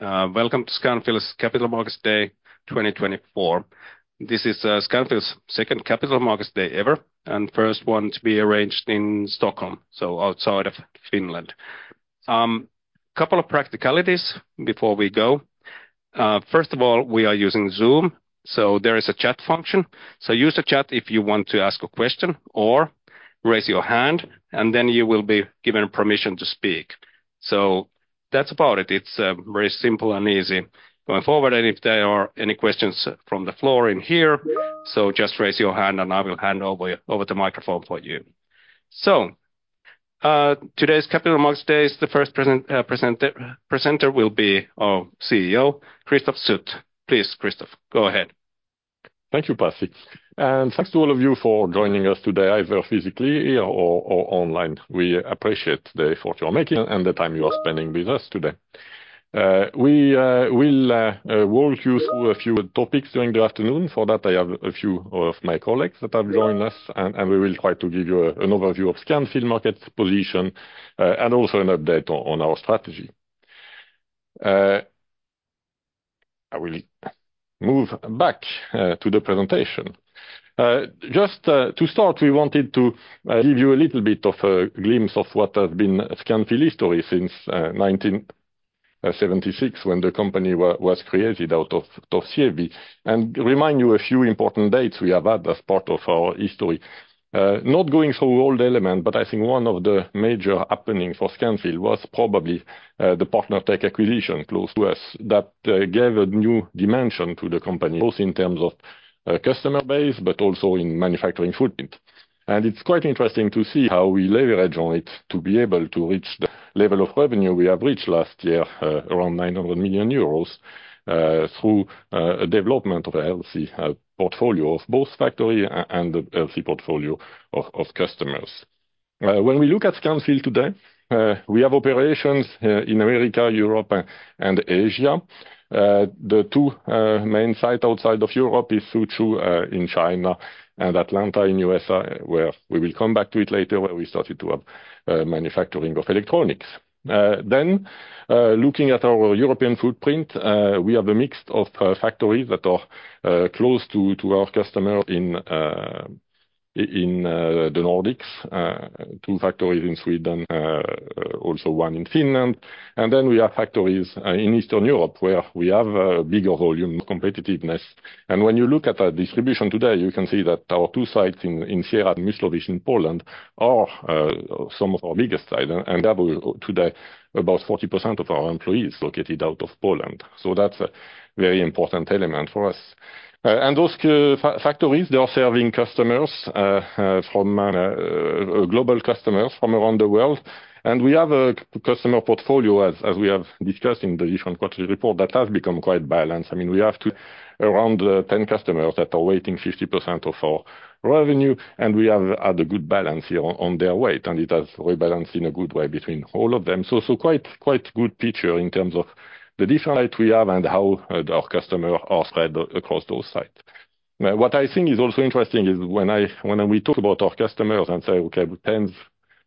Welcome to Scanfil's Capital Markets Day 2024. This is Scanfil's second Capital Markets Day ever, and first one to be arranged in Stockholm, so outside of Finland. Couple of practicalities before we go. First of all, we are using Zoom, so there is a chat function. So use the chat if you want to ask a question or raise your hand, and then you will be given permission to speak. So that's about it. It's very simple and easy going forward, and if there are any questions from the floor in here, so just raise your hand and I will hand over the microphone for you. So, today's Capital Markets Day, the first presenter will be our CEO, Christophe Sut. Please, Christophe, go ahead. Thank you, Pasi, and thanks to all of you for joining us today, either physically or online. We appreciate the effort you are making and the time you are spending with us today. We will walk you through a few topics during the afternoon. For that, I have a few of my colleagues that have joined us, and we will try to give you an overview of Scanfil market position, and also an update on our strategy. I will move back to the presentation. Just to start, we wanted to give you a little bit of a glimpse of what has been Scanfil's history since 1976, when the company was created out of Sievi. And remind you a few important dates we have had as part of our history. Not going through all the elements, but I think one of the major happenings for Scanfil was probably the PartnerTech acquisition close to us, that gave a new dimension to the company, both in terms of customer base, but also in manufacturing footprint. And it's quite interesting to see how we leverage on it to be able to reach the level of revenue we have reached last year, around 900 million euros, through development of a healthy portfolio of both factory and a healthy portfolio of customers. When we look at Scanfil today, we have operations in America, Europe, and Asia. The two main site outside of Europe is Suzhou in China and Atlanta in USA, where we will come back to it later, where we started to have manufacturing of electronics. Then, looking at our European footprint, we have a mix of factories that are close to our customer in the Nordics. Two factories in Sweden, also one in Finland. And then we have factories in Eastern Europe, where we have a bigger volume, competitiveness. And when you look at our distribution today, you can see that our two sites in Sieradz and Mysłowice in Poland are some of our biggest site, and have today about 40% of our employees located out of Poland. So that's a very important element for us. And those factories, they are serving global customers from around the world. We have a customer portfolio, as we have discussed in the different quarterly reports, that has become quite balanced. I mean, we have around 10 customers that are weighing 50% of our revenue, and we have had a good balance here on their weight, and it has rebalanced in a good way between all of them. So quite good picture in terms of the different sites we have and how our customers are spread across those sites. Now, what I think is also interesting is when we talk about our customers and say, okay, 10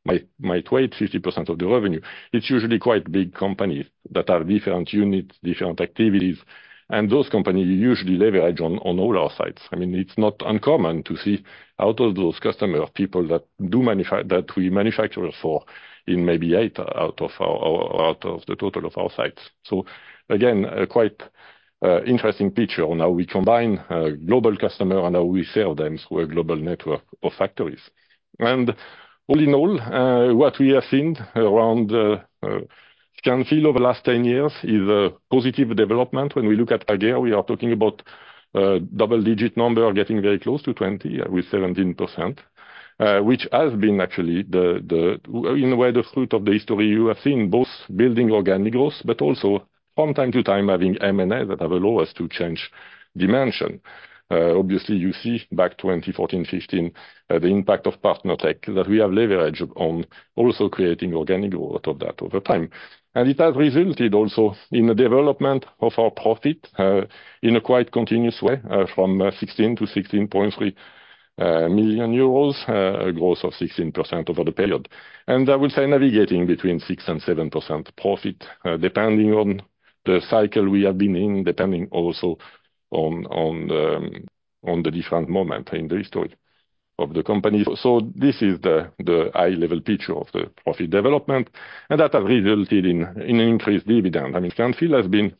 might weigh 50% of the revenue, it's usually quite big companies that are different units, different activities. Those companies usually leverage on, on all our sites. I mean, it's not uncommon to see out of those customers, people that we manufacture for in maybe 8 out of our, out of the total of our sites. So again, a quite interesting picture on how we combine global customers and how we sell them through a global network of factories. All in all, what we have seen around Scanfil over the last 10 years is a positive development. When we look at again, we are talking about double digit number or getting very close to 20, with 17%. Which has been actually the, the, in a way, the fruit of the history. You have seen both building organic growth, but also from time to time, having M&A that have allowed us to change dimension. Obviously, you see back 2014, 2015, the impact of PartnerTech that we have leveraged on also creating organic out of that over time. It has resulted also in the development of our profit in a quite continuous way from 16 to 63 million euros, a growth of 16% over the period. I will say navigating between 6% and 7% profit depending on the cycle we have been in, depending also on the different moment in the history of the company. So this is the high level picture of the profit development, and that has resulted in an increased dividend. I mean, Scanfil has been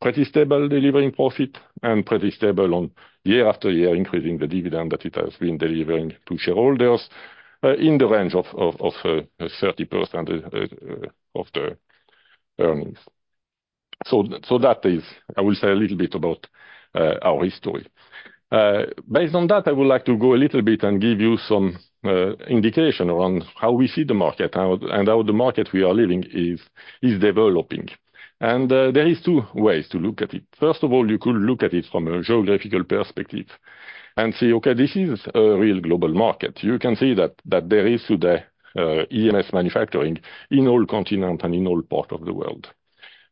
pretty stable delivering profit and pretty stable on year after year, increasing the dividend that it has been delivering to shareholders in the range of 30% of the earnings. So that is, I will say a little bit about our history. Based on that, I would like to go a little bit and give you some indication around how we see the market, how and how the market we are living is developing. And there is two ways to look at it. First of all, you could look at it from a geographical perspective and say: Okay, this is a real global market. You can see that there is today EMS manufacturing in all continent and in all part of the world.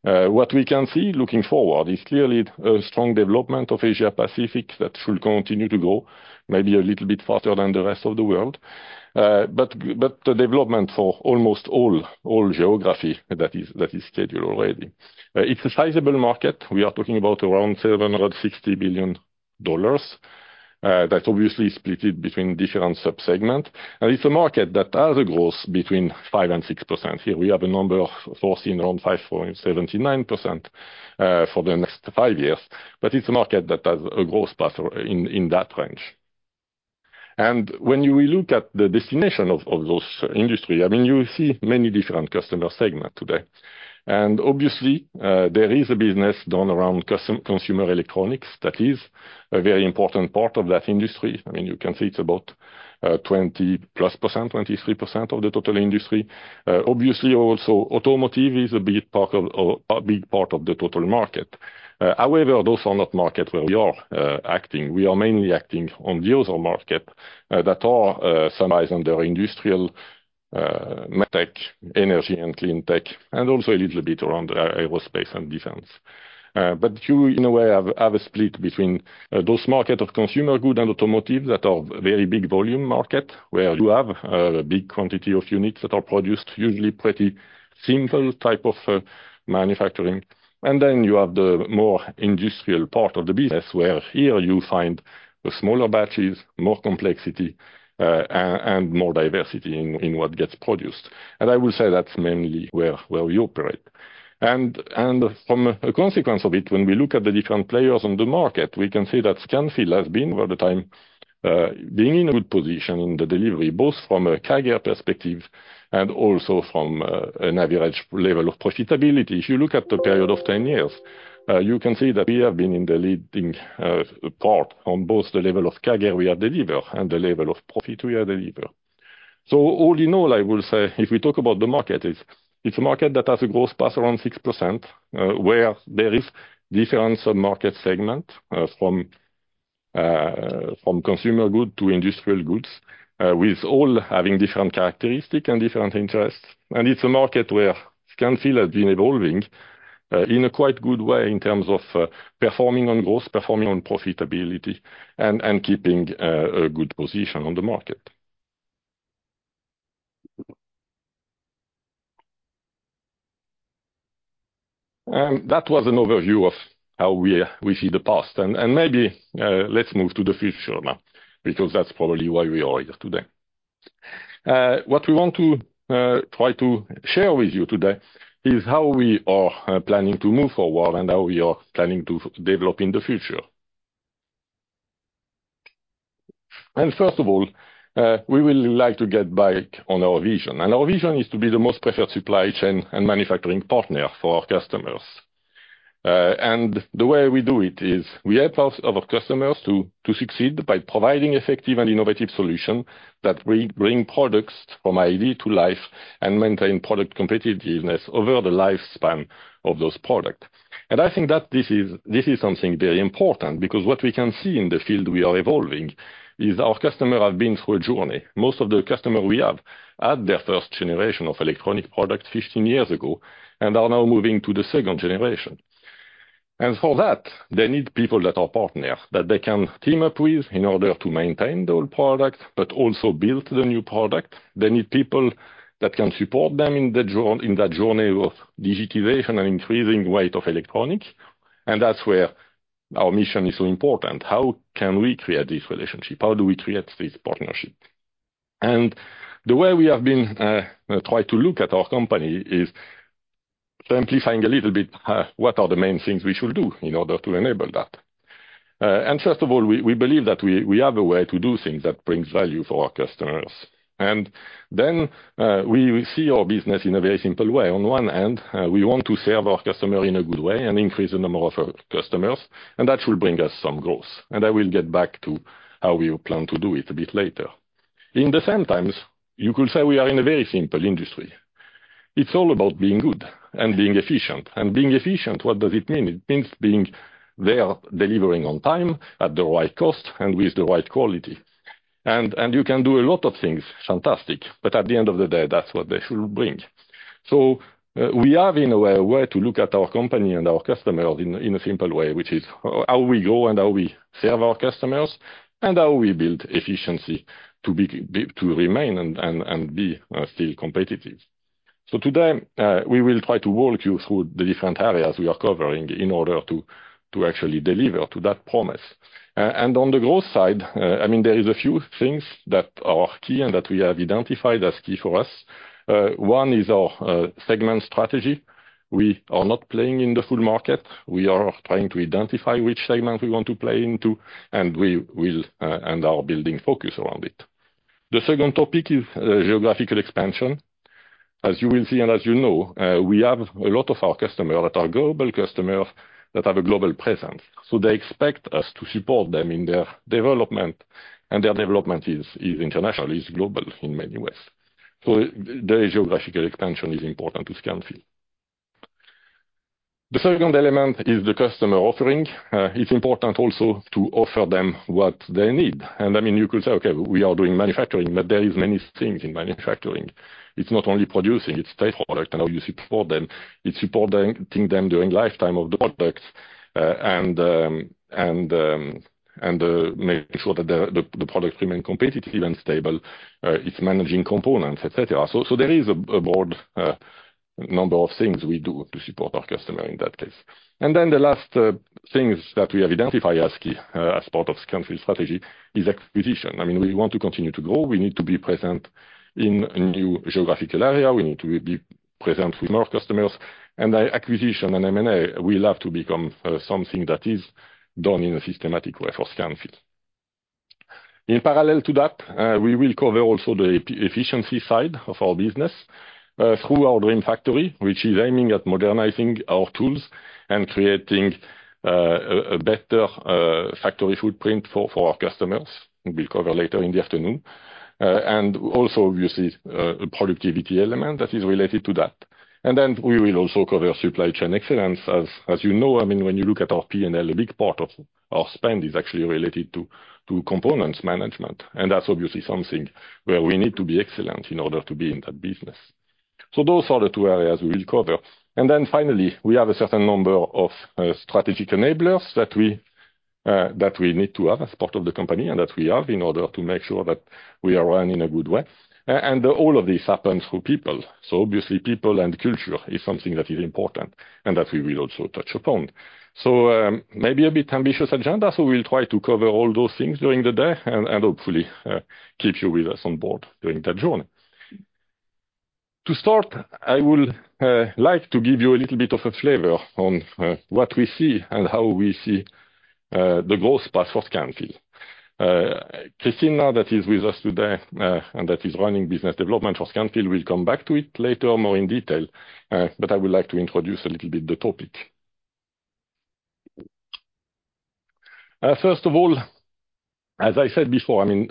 What we can see looking forward is clearly a strong development of Asia Pacific that should continue to grow maybe a little bit faster than the rest of the world. But the development for almost all geographies that is, that is scheduled already. It's a sizable market. We are talking about around $760 billion, that's obviously split between different sub-segments. And it's a market that has a growth between 5%-6%. Here we have a number foreseen around 5.79%, for the next five years, but it's a market that has a growth path in that range. And when you look at the destination of those industries, I mean, you see many different customer segments today. And obviously, there is a business done around custom consumer electronics that is a very important part of that industry. I mean, you can see it's about 20+%, 23% of the total industry. Obviously, also, automotive is a big part of a big part of the total market. However, those are not markets where we are acting. We are mainly acting on the other markets that are summarized under Industrial, Medtech, Energy and Cleantech, and also a little bit around aerospace and defense. But you in a way have a split between those markets of consumer goods and automotive that are very big volume markets, where you have a big quantity of units that are produced, usually pretty simple type of manufacturing. And then you have the more Industrial part of the business, where here you find the smaller batches, more complexity, and more diversity in what gets produced. And I will say that's mainly where we operate. And from a consequence of it, when we look at the different players on the market, we can see that Scanfil has been over the time being in a good position in the delivery, both from a CAGR perspective and also from an average level of profitability. If you look at the period of 10 years, you can see that we have been in the leading part on both the level of CAGR we have delivered and the level of profit we have delivered. So all in all, I will say, if we talk about the market, it's a market that has a growth path around 6%, where there is different sub-market segment, from consumer good to Industrial goods, with all having different characteristic and different interests. And it's a market where Scanfil has been evolving in a quite good way in terms of performing on growth, performing on profitability, and keeping a good position on the market. That was an overview of how we see the past. And maybe let's move to the future now, because that's probably why we are here today. What we want to try to share with you today is how we are planning to move forward and how we are planning to develop in the future. First of all, we will like to get back on our vision, and our vision is to be the most preferred supply chain and manufacturing partner for our customers. And the way we do it is we help our, our customers to, to succeed by providing effective and innovative solution that we bring products from idea to life and maintain product competitiveness over the lifespan of those products. And I think that this is, this is something very important, because what we can see in the field we are evolving is our customer have been through a journey. Most of the customer we have had their first generation of electronic products 15 years ago and are now moving to the second generation. And for that, they need people that are partners, that they can team up with in order to maintain the old product but also build the new product. They need people that can support them in that journey of digitization and increasing weight of electronics, and that's where our mission is so important. How can we create this relationship? How do we create this partnership? And the way we have been try to look at our company is simplifying a little bit, what are the main things we should do in order to enable that. And first of all, we, we believe that we, we have a way to do things that brings value for our customers. And then, we see our business in a very simple way. On one hand, we want to serve our customer in a good way and increase the number of our customers, and that will bring us some growth, and I will get back to how we plan to do it a bit later. In the same times, you could say we are in a very simple industry. It's all about being good and being efficient. And being efficient, what does it mean? It means being there, delivering on time, at the right cost, and with the right quality. And you can do a lot of things fantastic, but at the end of the day, that's what they should bring. So, we have in a way a way to look at our company and our customers in a simple way, which is how we go and how we serve our customers, and how we build efficiency to remain and be still competitive. So today, we will try to walk you through the different areas we are covering in order to actually deliver to that promise. And on the growth side, I mean, there is a few things that are key and that we have identified as key for us. One is our segment strategy. We are not playing in the full market. We are trying to identify which segment we want to play into, and we will and are building focus around it. The second topic is geographical expansion. As you will see, and as you know, we have a lot of our customer that are global customers that have a global presence, so they expect us to support them in their development, and their development is international, is global in many ways. So the geographical expansion is important to Scanfil. The second element is the customer offering. It's important also to offer them what they need. And I mean, you could say, okay, we are doing manufacturing, but there is many things in manufacturing. It's not only producing, it's product and how you support them. It's supporting them during lifetime of the products, and making sure that the products remain competitive and stable, it's managing components, et cetera. So there is a broad... number of things we do to support our customer in that case. And then the last things that we have identified as key, as part of Scanfil strategy is acquisition. I mean, we want to continue to grow. We need to be present in a new geographical area. We need to be present with more customers, and acquisition and M&A will have to become something that is done in a systematic way for Scanfil. In parallel to that, we will cover also the efficiency side of our business, through our Dream Factory, which is aiming at modernizing our tools and creating a better factory footprint for our customers. We'll cover later in the afternoon. And also obviously, a productivity element that is related to that. And then we will also cover supply chain excellence. As you know, I mean, when you look at our P&L, a big part of our spend is actually related to components management, and that's obviously something where we need to be excellent in order to be in that business. So those are the two areas we will cover. And then finally, we have a certain number of strategic enablers that we need to have as part of the company, and that we have in order to make sure that we are running in a good way. And all of this happens through people, so obviously, people and culture is something that is important and that we will also touch upon. So, maybe a bit ambitious agenda, so we will try to cover all those things during the day and hopefully keep you with us on board during that journey. To start, I would like to give you a little bit of a flavor on what we see and how we see the growth path for Scanfil. Christina, that is with us today, and that is running business development for Scanfil, will come back to it later, more in detail, but I would like to introduce a little bit the topic. First of all, as I said before, I mean,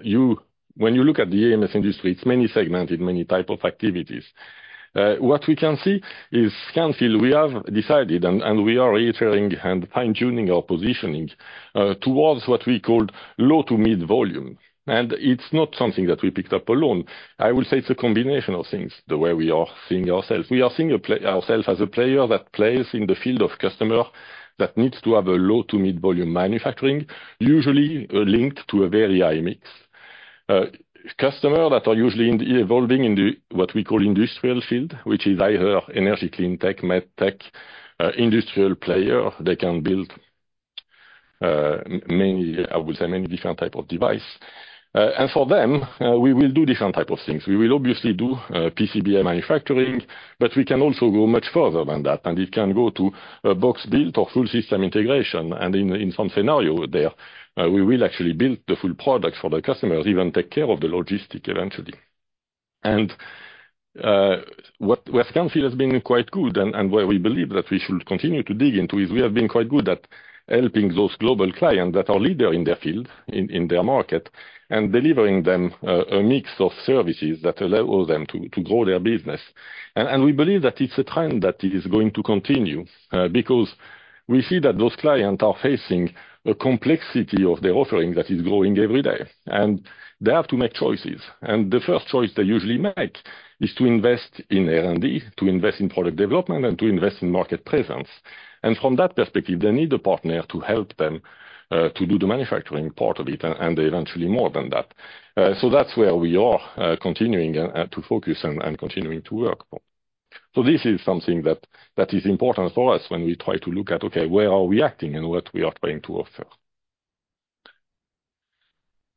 when you look at the EMS industry, it's many segmented, many type of activities. What we can see is, Scanfil, we have decided, and we are reiterating and fine-tuning our positioning towards what we call low to mid volume. And it's not something that we picked up alone. I will say it's a combination of things, the way we are seeing ourselves. We are seeing ourselves as a player that plays in the field of customer that needs to have a low to mid-volume manufacturing, usually linked to a very high mix. Customer that are usually in the evolving in the, what we call Industrial field, which is either Energy Cleantech, Medtech, Industrial player, they can build many, I would say many different type of device. And for them, we will do different type of things. We will obviously do PCBA manufacturing, but we can also go much further than that, and it can go to box build or full system integration, and in some scenario there, we will actually build the full product for the customers, even take care of the logistics eventually. And where Scanfil has been quite good and where we believe that we should continue to dig into is, we have been quite good at helping those global clients that are leader in their field, in their market, and delivering them a mix of services that allow them to grow their business. And we believe that it's a trend that is going to continue, because we see that those clients are facing a complexity of their offering that is growing every day, and they have to make choices. And the first choice they usually make is to invest in R&D, to invest in product development, and to invest in market presence. And from that perspective, they need a partner to help them to do the manufacturing part of it, and eventually more than that. So that's where we are, continuing to focus and continuing to work for. So this is something that is important for us when we try to look at, okay, where are we acting and what we are trying to offer?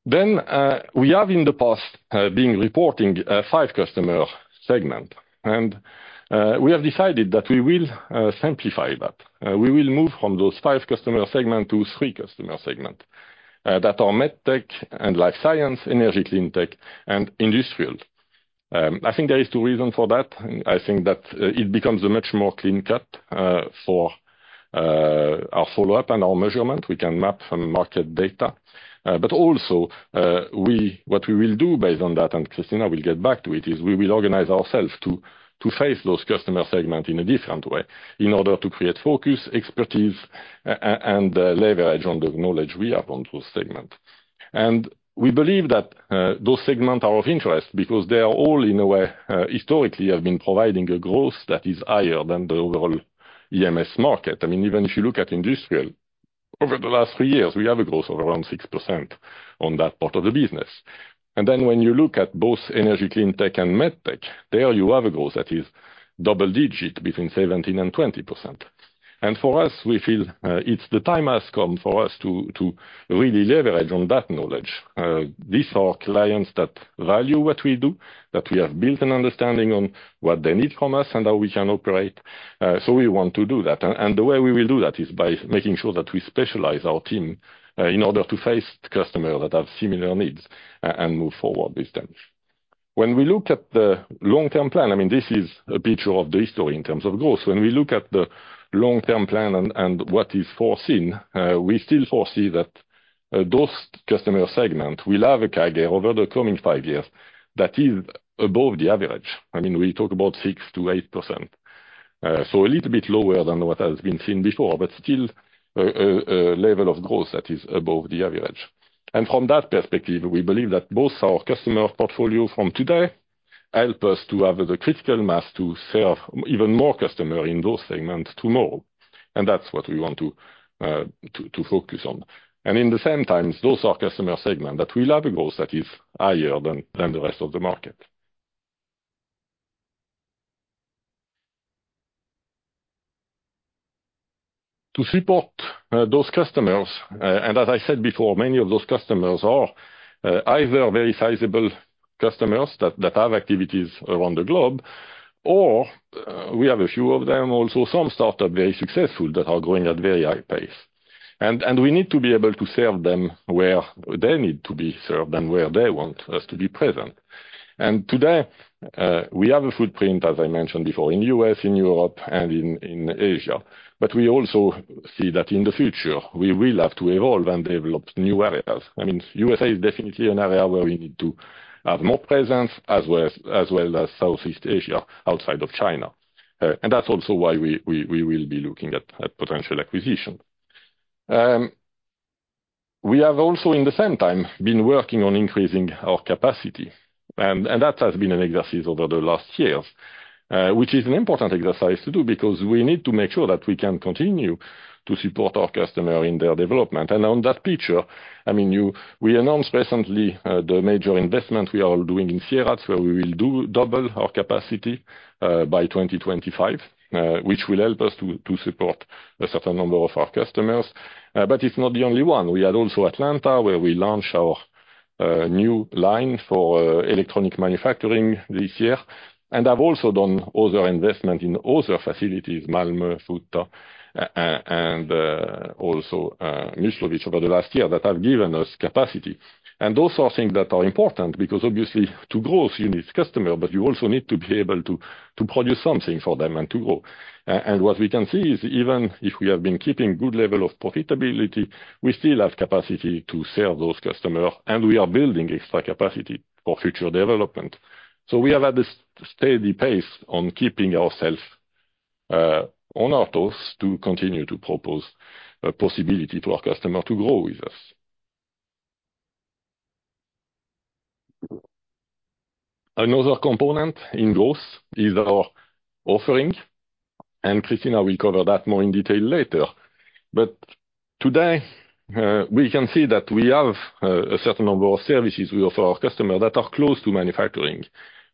Then, we have in the past been reporting five customer segment, and we have decided that we will simplify that. We will move from those five customer segment to three customer Medtech and Life Science, Energy Cleantech, and Industrial. I think there is two reason for that. I think that it becomes a much more clean-cut for our follow-up and our measurement. We can map from market data. But also, what we will do based on that, and Christina will get back to it, is we will organize ourselves to face those customer segment in a different way in order to create focus, expertise, and leverage on the knowledge we have on those segment. And we believe that those segment are of interest because they are all, in a way, historically, have been providing a growth that is higher than the overall EMS market. I mean, even if you look at Industrial, over the last three years, we have a growth of around 6% on that part of the business. And then when you look at both Energy Cleantech and Medtech, there you have a growth that is double digit, between 17%-20%. For us, we feel it's the time has come for us to really leverage on that knowledge. These are clients that value what we do, that we have built an understanding on what they need from us and how we can operate. So we want to do that. And the way we will do that is by making sure that we specialize our team in order to face the customer that have similar needs and move forward this time. When we look at the long-term plan, I mean, this is a picture of the history in terms of growth. When we look at the help us to have the critical mass to serve even more customer in those segments tomorrow. And that's what we want to focus on. And in the same times, those are customer segment that we have a growth that is higher than the rest of the market. To support those customers, and as I said before, many of those customers are either very sizable customers that have activities around the globe, or we have a few of them also, some start-ups very successful, that are growing at very high pace. We need to be able to serve them where they need to be served and where they want us to be present. Today, we have a footprint, as I mentioned before, in the U.S., in Europe, and in Asia. But we also see that in the future, we will have to evolve and develop new areas. I mean, the USA is definitely an area where we need to have more presence, as well as Southeast Asia, outside of China. And that's also why we will be looking at potential acquisition. We have also, in the same time, been working on increasing our capacity. That has been an exercise over the last years, which is an important exercise to do, because we need to make sure that we can continue to support our customer in their development. On that picture, I mean, we announced recently the major investment we are doing in Sieradz, where we will double our capacity by 2025, which will help us to support a certain number of our customers. But it's not the only one. We had also Atlanta, where we launched our new line for electronic manufacturing this year. And I've also done other investments in other facilities, Malmö, Wutha-Farnroda, and also Mysłowice, over the last year, that have given us capacity. Those are things that are important, because obviously, to grow, you need customers, but you also need to be able to produce something for them and to grow. And what we can see is even if we have been keeping good level of profitability, we still have capacity to serve those customers, and we are building extra capacity for future development. So we are at a steady pace on keeping ourselves on our toes to continue to propose a possibility to our customer to grow with us. Another component in growth is our offerings, and Christina will cover that more in detail later. But today, we can see that we have a certain number of services we offer our customer that are close to manufacturing.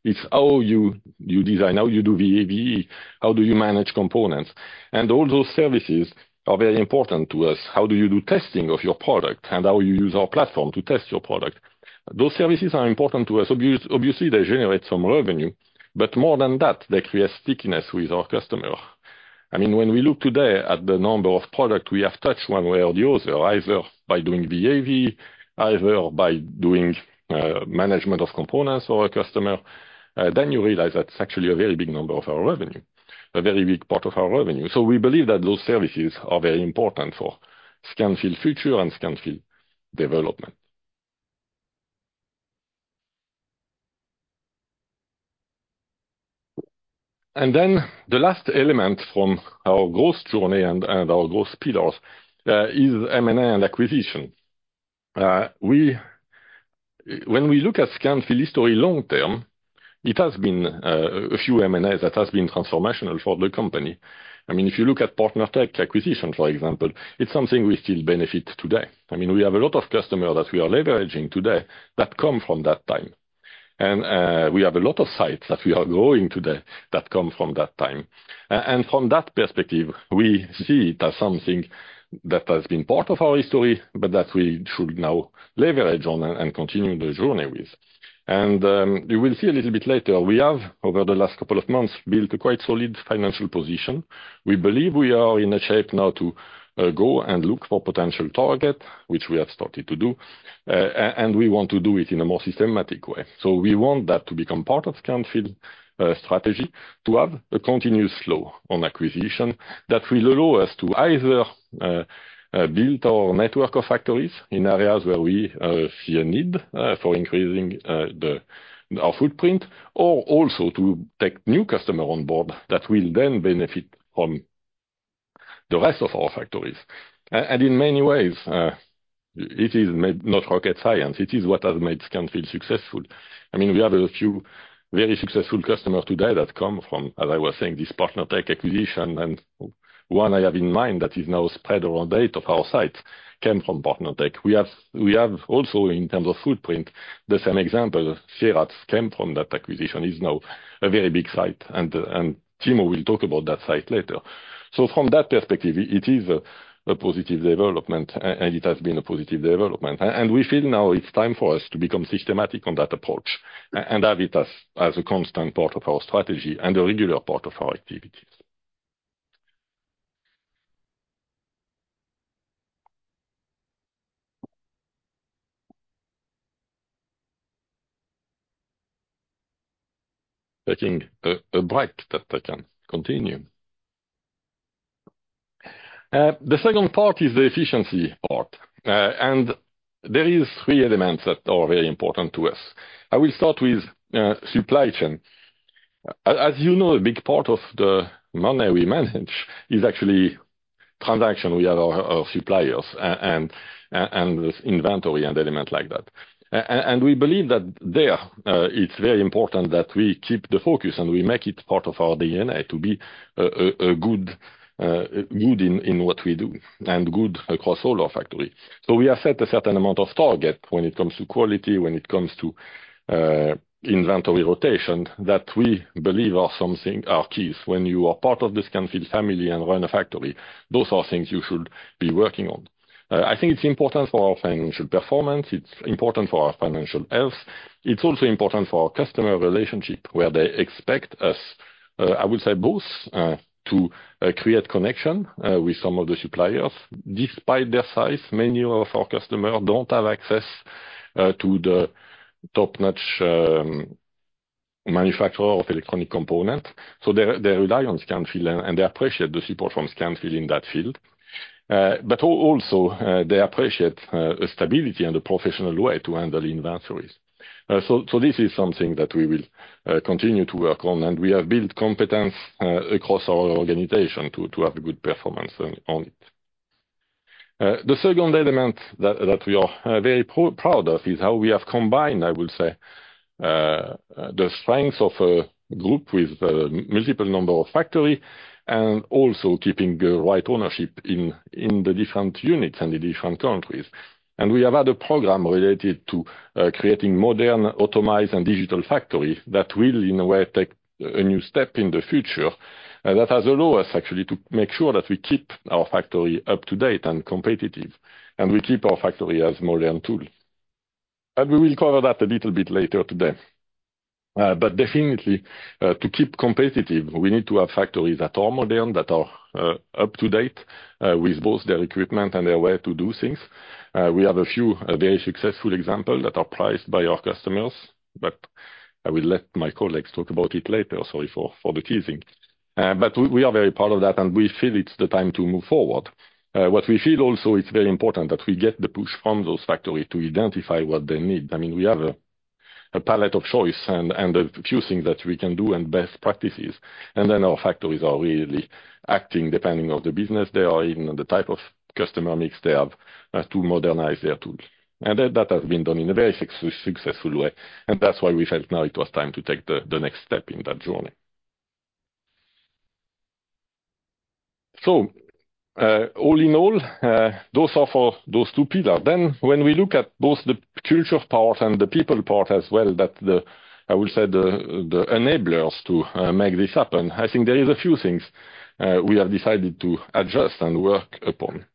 It's how you design, how you do VA/VE, how do you manage components? And all those services are very important to us. How do you do testing of your product? And how you use our platform to test your product. Those services are important to us. Obviously, they generate some revenue, but more than that, they create stickiness with our customer. I mean, when we look today at the number of product we have touched one way or the other, either by doing VA/VE, either by doing management of components for a customer, then you realize that's actually a very big number of our revenue, a very big part of our revenue. So we believe that those services are very important for Scanfil's future and Scanfil development. And then the last element from our growth journey and our growth pillars is M&A and acquisition. When we look at Scanfil's history long term, it has been a few M&As that has been transformational for the company. I mean, if you look at PartnerTech acquisition, for example, it's something we still benefit today. I mean, we have a lot of customers that we are leveraging today that come from that time. And we have a lot of sites that we are growing today that come from that time. And from that perspective, we see it as something that has been part of our history, but that we should now leverage on and continue the journey with. And you will see a little bit later, we have, over the last couple of months, built a quite solid financial position. We believe we are in a shape now to go and look for potential target, which we have started to do. And we want to do it in a more systematic way. So we want that to become part of Scanfil strategy, to have a continuous flow on acquisition that will allow us to either, build our network of factories in areas where we see a need for increasing our footprint, or also to take new customer on board that will then benefit on the rest of our factories. And in many ways, it is not rocket science. It is what has made Scanfil successful. I mean, we have a few very successful customers today that come from, as I was saying, this PartnerTech acquisition, and one I have in mind that is now spread around eight of our sites, came from PartnerTech. We have also, in terms of footprint, the same example. Sieradz came from that acquisition, is now a very big site, and Timo will talk about that site later. So from that perspective, it is a positive development, and it has been a positive development. And we feel now it's time for us to become systematic on that approach and have it as a constant part of our strategy and a regular part of our activities. Taking a break that I can continue. The second part is the efficiency part, and there is three elements that are very important to us. I will start with supply chain. As you know, a big part of the money we manage is actually transaction. We have our suppliers and inventory and element like that. We believe that. There it's very important that we keep the focus and we make it part of our DNA to be good in what we do and good across all our factory. We have set a certain amount of target when it comes to quality, when it comes to inventory rotation, that we believe are something are keys. When you are part of the Scanfil family and run a factory, those are things you should be working on. I think it's important for our financial performance, it's important for our financial health. It's also important for our customer relationship, where they expect us, I would say, both to create connection with some of the suppliers. Despite their size, many of our customers don't have access to the top-notch manufacturer of electronic component, so they rely on Scanfil, and they appreciate the support from Scanfil in that field. But also, they appreciate the stability and the professional way to handle inventories. So this is something that we will continue to work on, and we have built competence across our organization to have a good performance on it. The second element that we are very proud of is how we have combined, I would say, the strengths of a group with a multiple number of factory, and also keeping the right ownership in the different units and the different countries. We have had a program related to creating modern, automated, and digital factory that will, in a way, take a new step in the future, and that has allowed us actually to make sure that we keep our factory up to date and competitive, and we keep our factory as modern tool. We will cover that a little bit later today. But definitely, to keep competitive, we need to have factories that are modern, that are up to date with both their equipment and their way to do things. We have a few very successful examples that are prized by our customers, but I will let my colleagues talk about it later. Sorry for the teasing. But we are very proud of that, and we feel it's the time to move forward. What we feel also, it's very important that we get the push from those factories to identify what they need. I mean, we have a palette of choice and a few things that we can do and best practices. And then our factories are really acting, depending on the business they are in and the type of customer mix they have, to modernize their tools. And that has been done in a very successful way, and that's why we felt now it was time to take the next step in that journey. So, all in all, those are for those two pillars. Then, when we look at both the culture part and the people part as well, that the... I would say, the enablers to make this happen, I think there is a few things we have decided to adjust and work upon.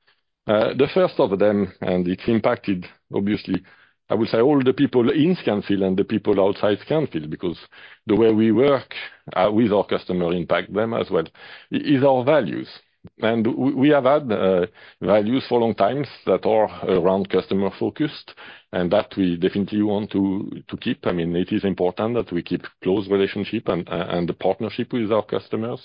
The first of them, and it's impacted, obviously, I would say, all the people in Scanfil and the people outside Scanfil, because the way we work with our customer impact them as well, is our values. And we have had values for long times that are around customer focused, and that we definitely want to keep. I mean, it is important that we keep close relationship and a partnership with our customers.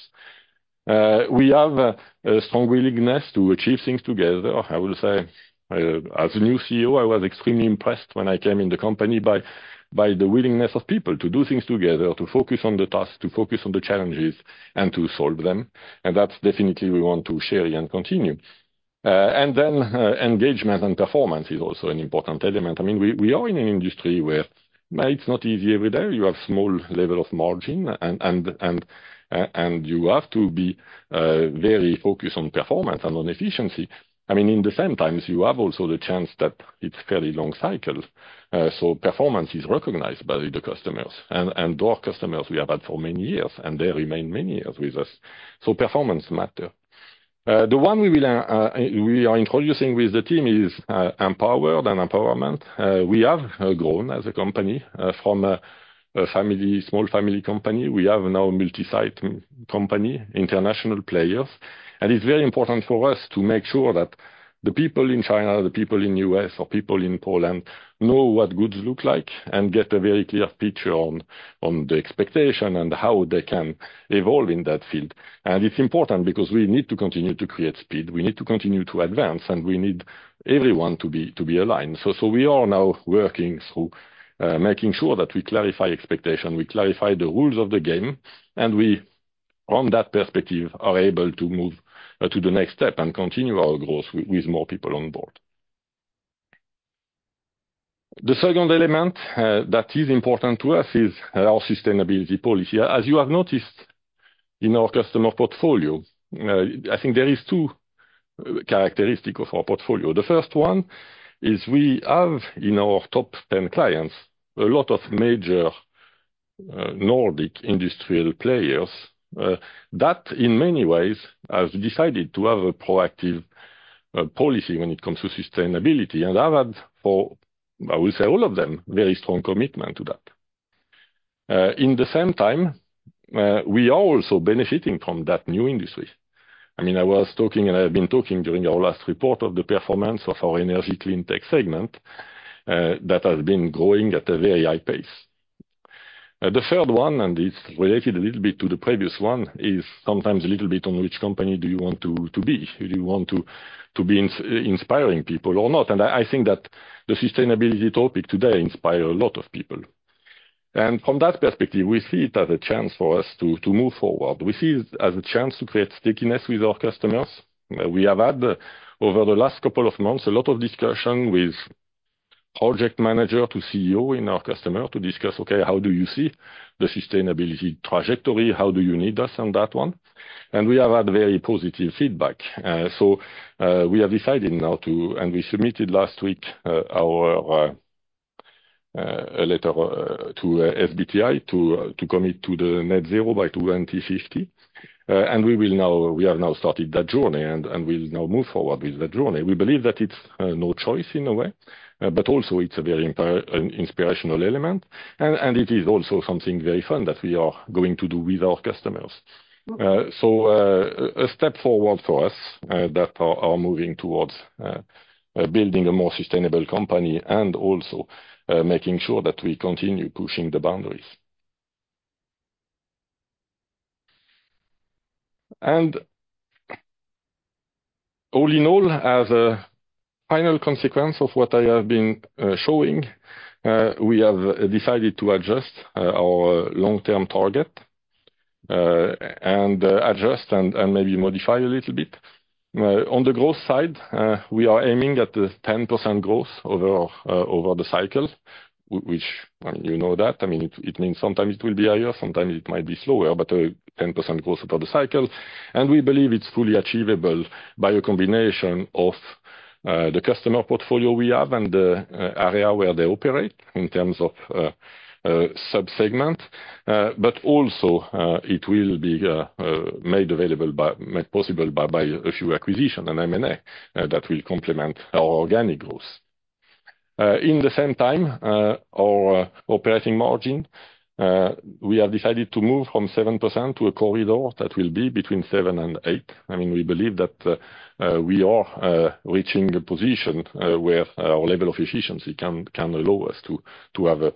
We have a strong willingness to achieve things together. I would say, as a new CEO, I was extremely impressed when I came in the company by the willingness of people to do things together, to focus on the task, to focus on the challenges, and to solve them. And that's definitely we want to share and continue. And then, engagement and performance is also an important element. I mean, we are in an industry where it's not easy every day. You have small level of margin and you have to be very focused on performance and on efficiency. I mean, in the same times, you have also the chance that it's fairly long cycle. So performance is recognized by the customers, and those customers we have had for many years, and they remain many years with us. So performance matter. The one we will, we are introducing with the team is, empowered and empowerment. We have grown as a company from a small family company. We have now multi-site company, international players. And it's very important for us to make sure that the people in China, the people in U.S. or people in Poland, know what goods look like and get a very clear picture on the expectation and how they can evolve in that field. And it's important because we need to continue to create speed, we need to continue to advance, and we need everyone to be aligned. So, we are now working through making sure that we clarify expectation, we clarify the rules of the game, and we, from that perspective, are able to move to the next step and continue our growth with more people on board. The second element that is important to us is our sustainability policy. As you have noticed in our customer portfolio, I think there is two characteristic of our portfolio. The first one is we have in our top ten clients, a lot of major Nordic Industrial players that in many ways have decided to have a proactive policy when it comes to sustainability, and have had for, I would say, all of them, very strong commitment to that. In the same time, we are also benefiting from that new industry. I mean, I was talking, and I have been talking during our last report of the performance of our Energy and Cleantech segment, that has been growing at a very high pace. The third one, and it's related a little bit to the previous one, is sometimes a little bit on which company do you want to, to be? Do you want to, to be inspiring people or not? And I think that the sustainability topic today inspire a lot of people... And from that perspective, we see it as a chance for us to move forward. We see it as a chance to create stickiness with our customers. We have had, over the last couple of months, a lot of discussion with project manager to CEO in our customer to discuss, okay, how do you see the sustainability trajectory? How do you need us on that one? We have had very positive feedback. So, we have decided now, and we submitted last week our a letter to SBTi to commit to net zero by 2050. We have now started that journey, and we'll now move forward with that journey. We believe that it's no choice in a way, but also it's a very important inspirational element. It is also something very fun that we are going to do with our customers. So, a step forward for us that are moving towards building a more sustainable company and also making sure that we continue pushing the boundaries. All in all, as a final consequence of what I have been showing, we have decided to adjust our long-term target and adjust and maybe modify a little bit. On the growth side, we are aiming at the 10% growth over the cycle, which you know that. I mean, it means sometimes it will be higher, sometimes it might be slower, but a 10% growth above the cycle, and we believe it's fully achievable by a combination of the customer portfolio we have and the area where they operate in terms of sub-segment. But also, it will be made possible by a few acquisition, an M&A, that will complement our organic growth. In the same time, our operating margin, we have decided to move from 7% to a corridor that will be between 7% and 8%. I mean, we believe that we are reaching a position where our level of efficiency can allow us to have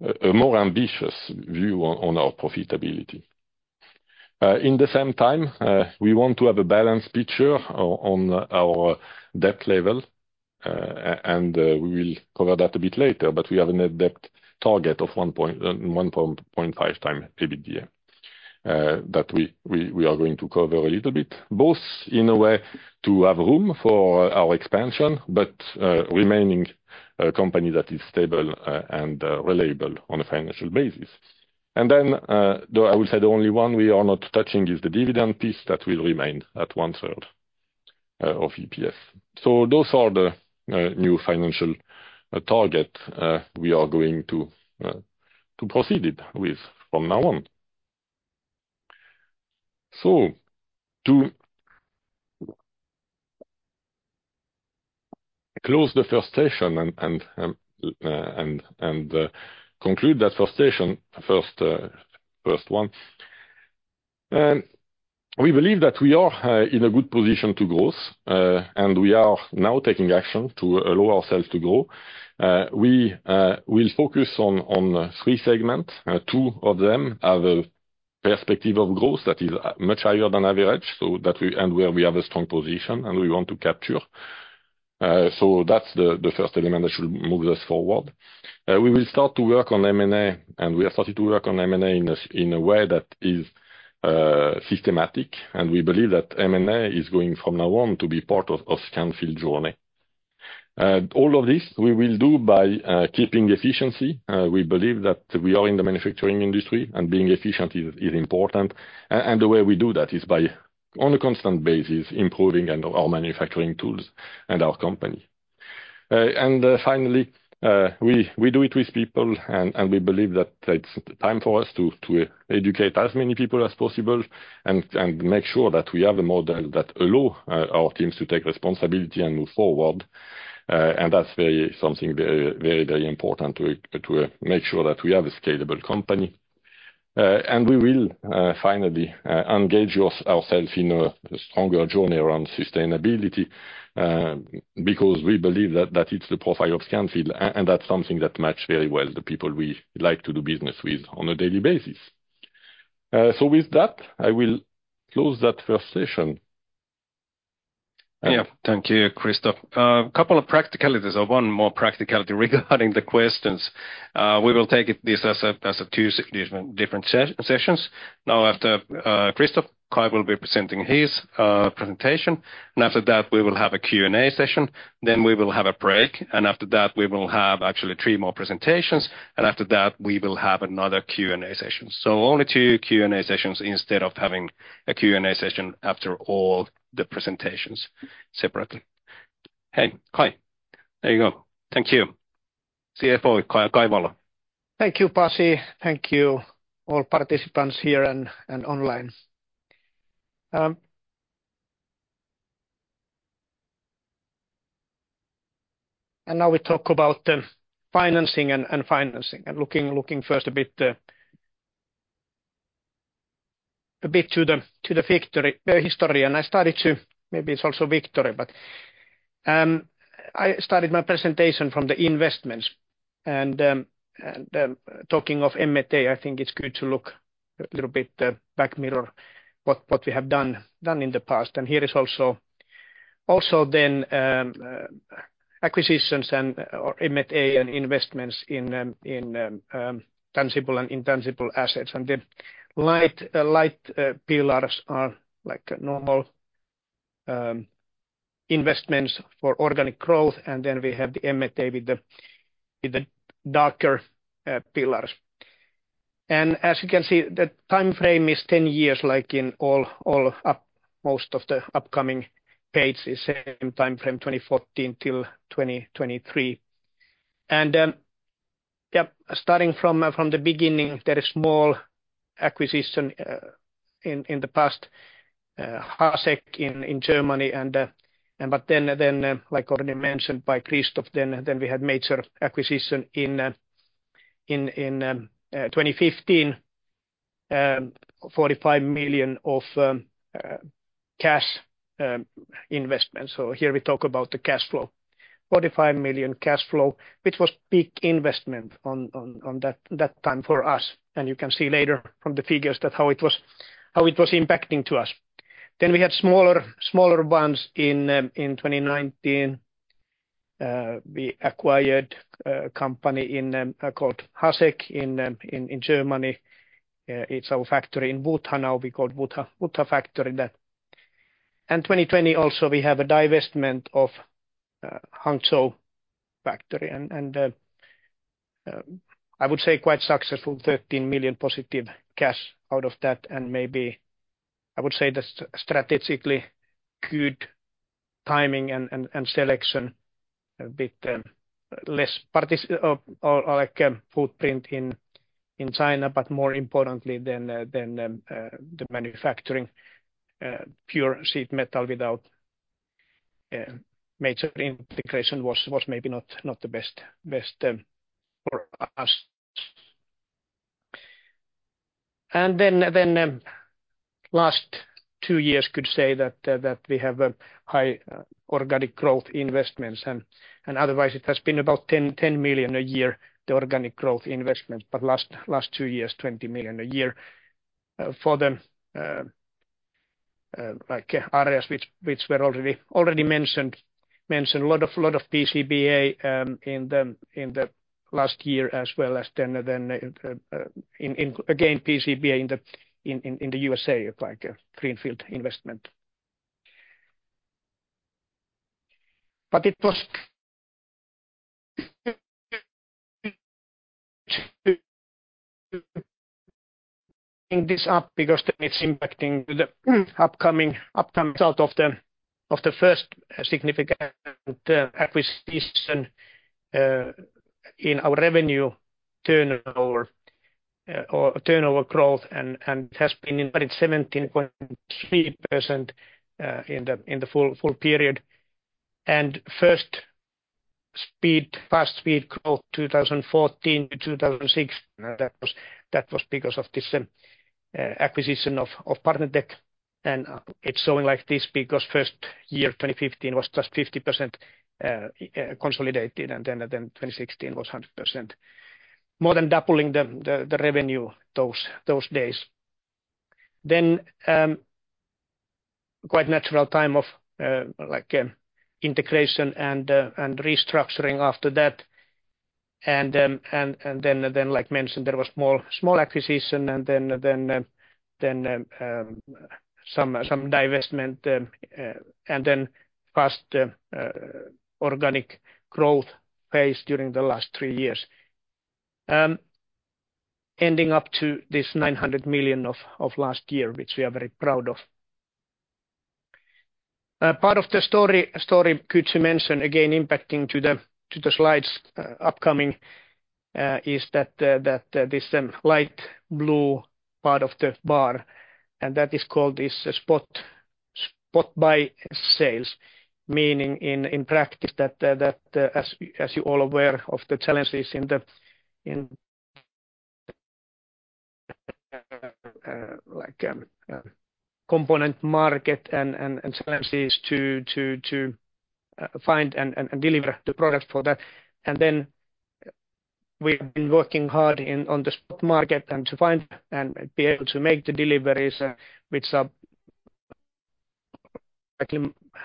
a more ambitious view on our profitability. In the same time, we want to have a balanced picture on our debt level, and we will cover that a bit later, but we have a net debt target of 1.5x EBITDA that we are going to cover a little bit, both in a way to have room for our expansion, but remaining a company that is stable and reliable on a financial basis. And then, I will say the only one we are not touching is the dividend piece, that will remain at one-third of EPS. So those are the new financial target we are going to proceed with from now on. So to close the first session and conclude that first session, first one, we believe that we are in a good position to growth, and we are now taking action to allow ourselves to grow. We will focus on three segments. Two of them have a perspective of growth that is much higher than average, so that we and where we have a strong position, and we want to capture. So that's the first element that should move us forward. We will start to work on M&A, and we have started to work on M&A in a way that is systematic, and we believe that M&A is going, from now on, to be part of Scanfil journey. And all of this, we will do by keeping efficiency. We believe that we are in the manufacturing industry, and being efficient is important. And the way we do that is by, on a constant basis, improving on our manufacturing tools and our company. And finally, we do it with people, and we believe that it's time for us to educate as many people as possible and make sure that we have a model that allows our teams to take responsibility and move forward. And that's very something very, very, very important to make sure that we have a scalable company. And we will finally engage ourselves in a stronger journey around sustainability, because we believe that it's the profile of Scanfil, and that's something that match very well the people we like to do business with on a daily basis. So with that, I will close that first session. Yeah. Thank you, Christophe. Couple of practicalities or one more practicality regarding the questions. We will take this as two different sessions. Now, after Christophe, Kai will be presenting his presentation, and after that, we will have a Q&A session. Then we will have a break, and after that, we will have actually three more presentations, and after that, we will have another Q&A session. So only two Q&A sessions instead of having a Q&A session after all the presentations separately. Hey, Kai, there you go. Thank you. CFO, Kai Valo. Thank you, Pasi. Thank you, all participants here and online. And now we talk about financing and financing, and looking first a bit to the victory history. And I started to... Maybe it's also victory, but I started my presentation from the investments. And talking of M&A, I think it's good to look-... A little bit back mirror what we have done in the past. And here is also acquisitions or M&A and investments in tangible and intangible assets. And the light pillars are like normal investments for organic growth, and then we have the M&A with the darker pillars. And as you can see, the timeframe is 10 years, like in all of the upcoming pages, same timeframe, 2014 till 2023. Yep, starting from the beginning, there is small acquisition in the past, HASEC in Germany, and, but then, like already mentioned by Christophe, then we had major acquisition in 2015, EUR 45 million of cash investment. So here we talk about the cash flow. 45 million cash flow, which was big investment on that time for us. And you can see later from the figures that how it was impacting to us. Then we had smaller ones in 2019. We acquired a company called HASEC in Germany. It's our factory in Wutha now, we call Wutha, Wutha factory that... In 2020, also, we have a divestment of Hangzhou factory, and I would say quite successful, 13 million positive cash out of that, and maybe I would say that strategically, good timing and selection, a bit less or like a footprint in China, but more importantly than the manufacturing pure sheet metal without major integration was maybe not the best for us. And then last two years we could say that we have a high organic growth investments, and otherwise it has been about 10 million a year, the organic growth investment, but last two years, 20 million a year, for the like areas which were already mentioned, a lot of PCBA in the last year, as well as then in again PCBA in the USA, like a greenfield investment. But it is up because then it's impacting the upcoming result of the first significant acquisition in our revenue turnover or turnover growth, and it has been achieved 17.3% in the full period. And first speed, fast speed growth, 2014 to 2016, that was because of this acquisition of PartnerTech. And it's showing like this because first year, 2015, was just 50% consolidated, and then 2016 was 100%. More than doubling the revenue those days. Then quite natural time of like integration and restructuring after that. And then, like mentioned, there was more small acquisition and then some divestment and then fast organic growth pace during the last three years. Ending up to this 900 million of last year, which we are very proud of. Part of the story could you mention again impacting to the slides upcoming is that this light blue part of the bar, and that is called spot buy sales, meaning in practice that as you're all aware of the challenges in the like component market and challenges to find and deliver the product for that. And then, we've been working hard on the spot market and to find and be able to make the deliveries, which are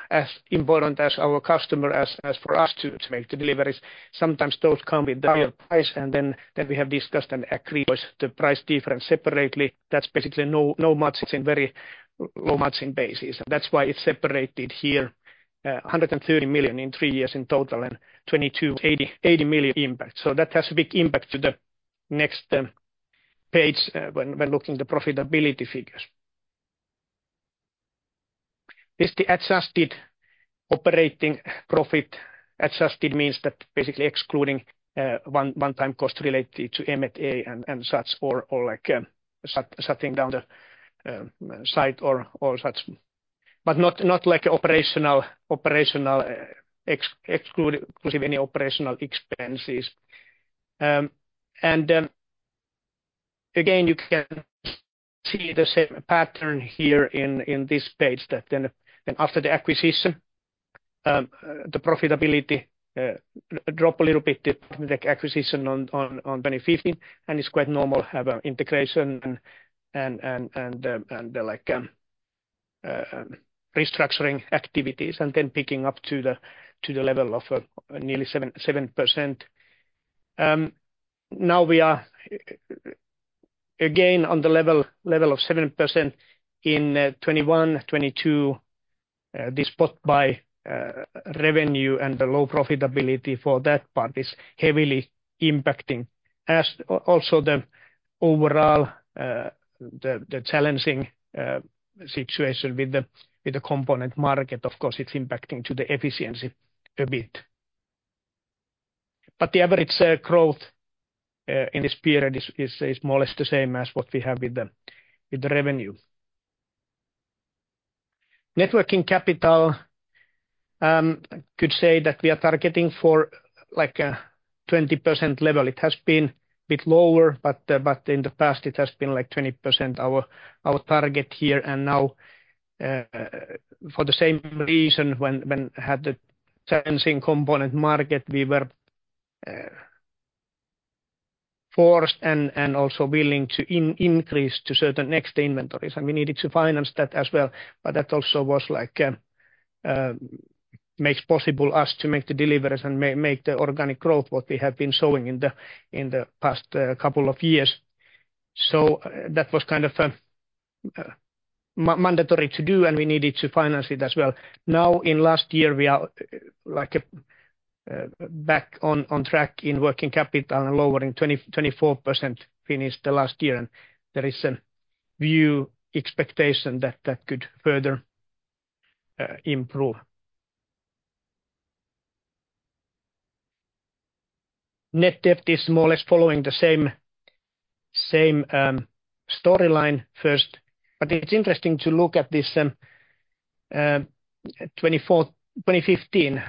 as important as our customer as for us to make the deliveries. Sometimes those come with higher price, and then we have discussed and agreed the price difference separately. That's basically no margin, it's in very low margin basis. That's why it's separated here, a hundred and thirty million in three years in total, and 228 million impact. So that has a big impact to the next page, when we're looking the profitability figures. This, the adjusted operating profit, adjusted means that basically excluding, one-time cost related to M&A and such, or like, shutting down the site or such. But not like operational, excluding any operational expenses. And again, you can see the same pattern here in this page that then after the acquisition-... The profitability drop a little bit the, like, acquisition in 2015, and it's quite normal have a integration and restructuring activities, and then picking up to the level of nearly 7%. Now we are again on the level of 7% in 2021, 2022. The spot buy revenue and the low profitability for that part is heavily impacting as also the overall the challenging situation with the component market. Of course, it's impacting to the efficiency a bit. But the average growth in this period is more or less the same as what we have with the revenue. Net working capital, could say that we are targeting for, like, a 20% level. It has been a bit lower, but, but in the past it has been, like, 20% our, our target here. And now, for the same reason, when, when had the challenging component market, we were, forced and, and also willing to increase to certain extra inventories, and we needed to finance that as well. But that also was like, makes possible us to make the deliveries and make the organic growth what we have been showing in the, in the past, couple of years. So that was kind of, mandatory to do, and we needed to finance it as well. Now, in last year, we are, like, back on, on track in working capital and lowering 20, 24% finished the last year, and there is a new expectation that that could further, improve. Net debt is more or less following the same storyline first, but it's interesting to look at this twenty fifteen,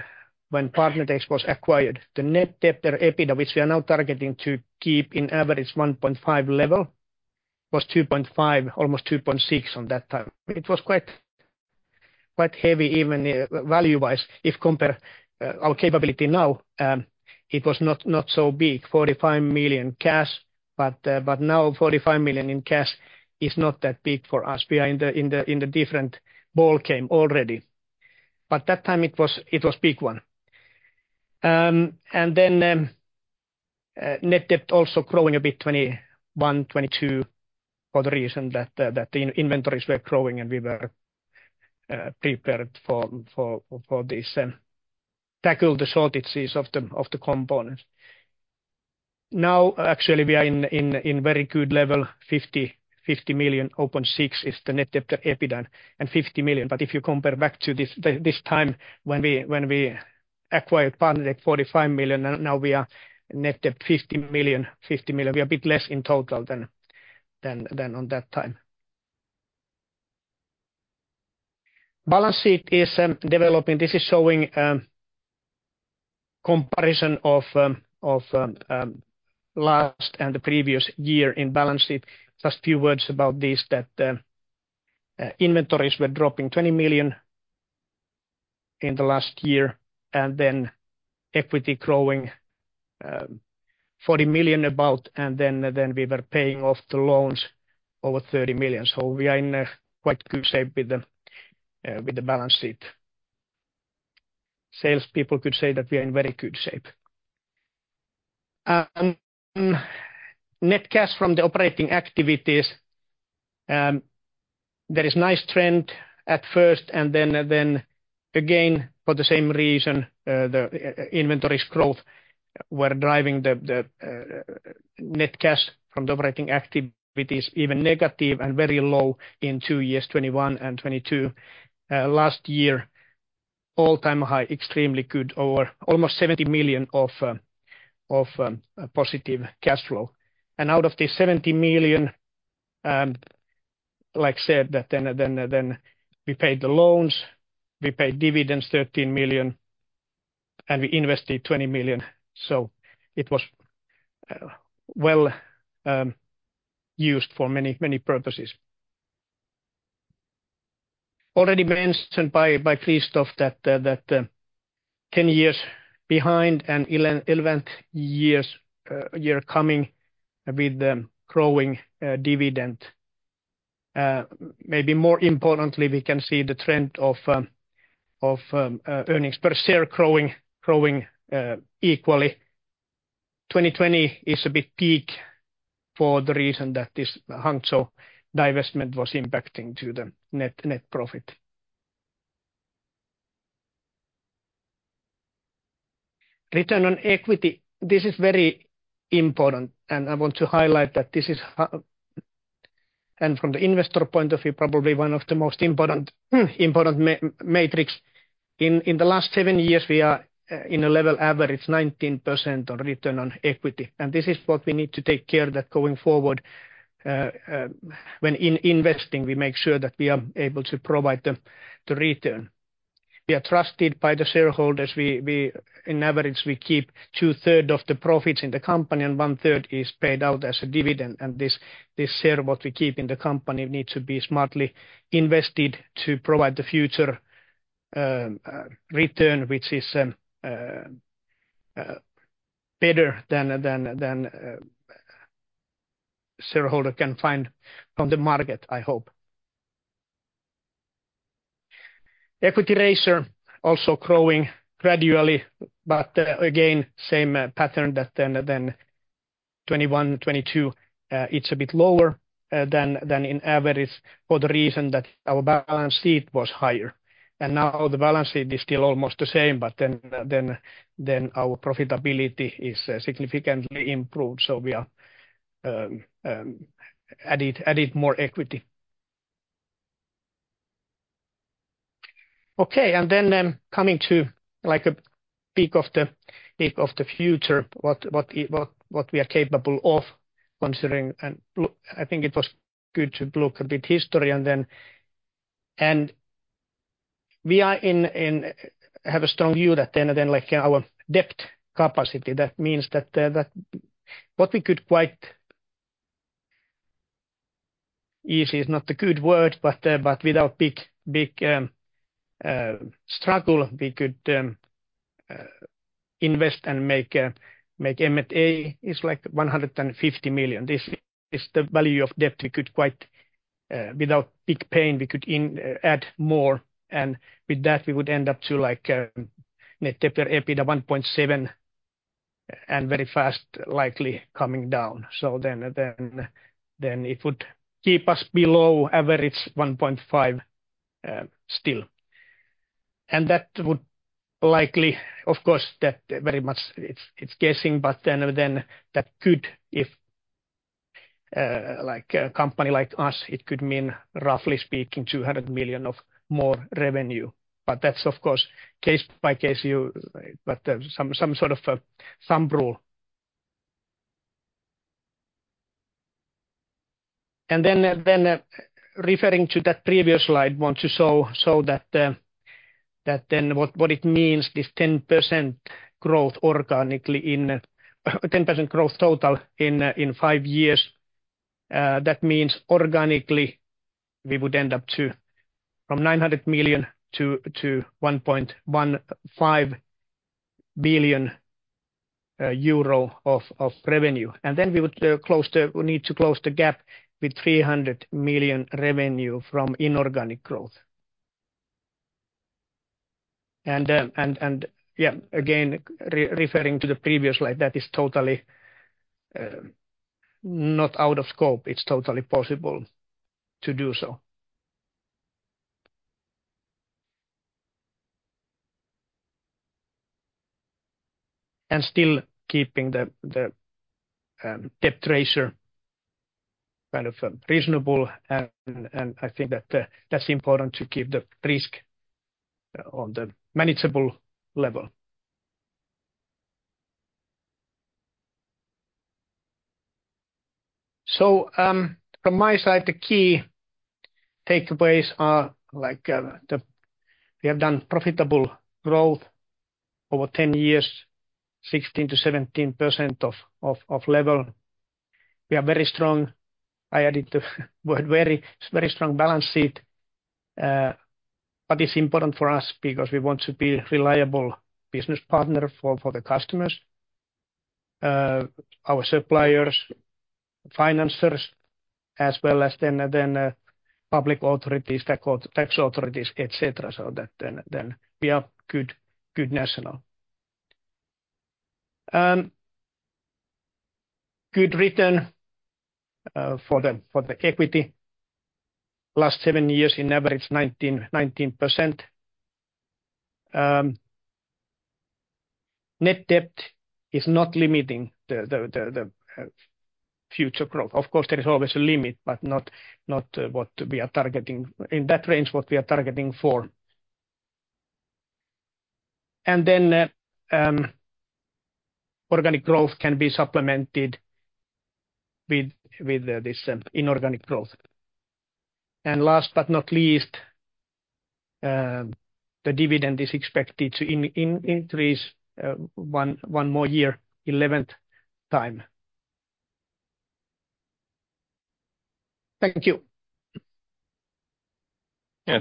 when PartnerTech was acquired, the net debt to EBITDA, which we are now targeting to keep in average 1.5 level, was 2.5, almost 2.6 on that time. It was quite heavy, even value-wise. If compare our capability now, it was not so big, 45 million cash, but now 45 million in cash is not that big for us. We are in the different ballgame already. But that time it was big one. Then net debt also growing a bit, 2021, 2022, for the reason that the inventories were growing, and we were prepared for this to tackle the shortages of the components. Now, actually, we are in very good level, 50 million, 0.6 is the net debt to EBITDA, and 50 million. But if you compare back to this, the time when we acquired PartnerTech, 45 million, and now we are net debt 50 million, 50 million. We are a bit less in total than on that time. Balance sheet is developing. This is showing comparison of last and the previous year in balance sheet. Just a few words about this, that, inventories were dropping 20 million in the last year, and then equity growing about EUR 40 million, and then we were paying off the loans over 30 million. So we are in a quite good shape with the balance sheet. Salespeople could say that we are in very good shape. Net cash from the operating activities, there is nice trend at first and then, then again, for the same reason, the inventories growth were driving the net cash from the operating activities even negative and very low in two years, 2021 and 2022. Last year, all-time high, extremely good, over almost 70 million of positive cash flow. Out of the 70 million, like said, that then we paid the loans, we paid dividends, 13 million, and we invested 20 million. So it was, well, used for many, many purposes. Already mentioned by Christophe that ten years behind and eleventh year coming with the growing dividend. Maybe more importantly, we can see the trend of earnings per share growing equally. 2020 is a bit peak for the reason that this Hangzhou divestment was impacting to the net profit. Return on equity, this is very important, and I want to highlight that this is how. From the investor point of view, probably one of the most important metric. In the last seven years, we are in a level average 19% on return on equity, and this is what we need to take care that going forward, when investing, we make sure that we are able to provide the return. We are trusted by the shareholders. In average, we keep two-thirds of the profits in the company, and one-third is paid out as a dividend. And this share, what we keep in the company, needs to be smartly invested to provide the future return, which is better than shareholder can find from the market, I hope. Equity ratio also growing gradually, but again, same pattern that then 2021, 2022, it's a bit lower than in average for the reason that our balance sheet was higher. Now the balance sheet is still almost the same, but then our profitability is significantly improved, so we are added added more equity. Okay, and then coming to, like, a peak of the future, what we are capable of considering, and look—I think it was good to look a bit history and then. We are in have a strong view that then, like our debt capacity, that means that what we could quite... Easy is not a good word, but without big struggle, we could invest and make M&A is like 150 million. This is the value of debt we could, without big pain, add more, and with that, we would end up to like net debt to EBITDA 1.7, and very fast, likely coming down. So then it would keep us below average 1.5 still. And that would likely, of course, that's very much guessing, but then that could, if like a company like us, it could mean, roughly speaking, 200 million more revenue. But that's, of course, case by case view, but some sort of thumb rule. Referring to that previous slide, I want to show that then what it means, this 10% growth organically—10% growth total in 5 years. That means organically we would end up to from 900 million to 1.15 billion euro of revenue. And then we would close the—we need to close the gap with 300 million revenue from inorganic growth. And yeah, again, referring to the previous slide, that is totally not out of scope. It's totally possible to do so. And still keeping the debt ratio kind of reasonable, and I think that that's important to keep the risk on the manageable level. So, from my side, the key takeaways are, like, the... We have done profitable growth over 10 years, 16%-17% level. We are very strong. I added the word very. It's very strong balance sheet, but it's important for us because we want to be reliable business partner for the customers, our suppliers, financers, as well as then public authorities, tax authorities, et cetera, so that then we are good national. Good return for the equity. Last 7 years, in average, 19%. Net debt is not limiting the future growth. Of course, there is always a limit, but not what we are targeting. In that range, what we are targeting for. And then, organic growth can be supplemented with this inorganic growth. Last but not least, the dividend is expected to increase one more year, eleventh time. Thank you. Yeah.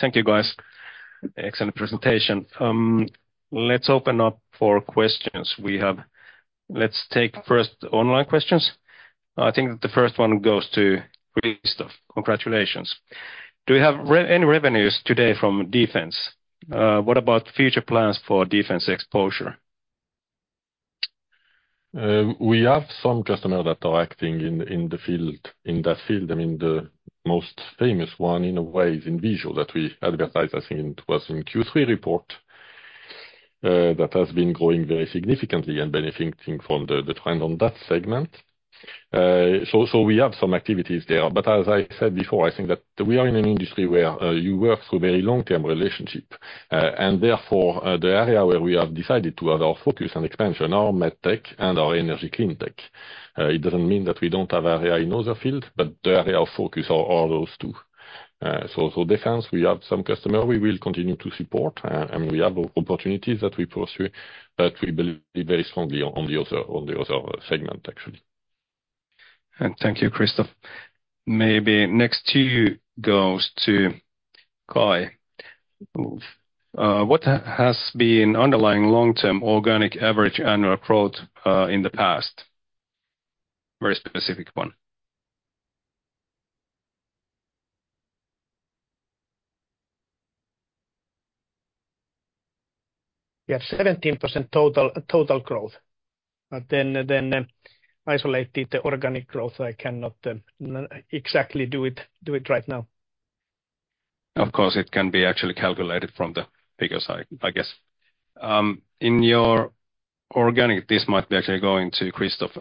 Thank you, guys. Excellent presentation. Let's open up for questions. We have... Let's take first online questions. I think the first one goes to Christophe. Congratulations. "Do you have any revenues today from defense? What about future plans for defense exposure? We have some customer that are acting in the field, in that field. I mean, the most famous one, in a way, is Invisio that we advertised, I think it was in Q3 report, that has been growing very significantly and benefiting from the trend on that segment. So, so we have some activities there, but as I said before, I think that we are in an industry where you work through very long-term relationship. And therefore, the area where we have decided to have our focus on expansion, our Medtech and our Energy Cleantech. It doesn't mean that we don't have area in other field, but the area of focus are those two. So, defense, we have some customer we will continue to support, and we have opportunities that we pursue, but we believe very strongly on the other segment, actually. ... And thank you, Christophe. Maybe next two goes to Kai. What has been underlying long-term organic average annual growth in the past? Very specific one. Yeah, 17% total growth. But then isolated the organic growth, I cannot exactly do it right now. Of course, it can be actually calculated from the figures, I guess. In your organic, this might be actually going to Christophe.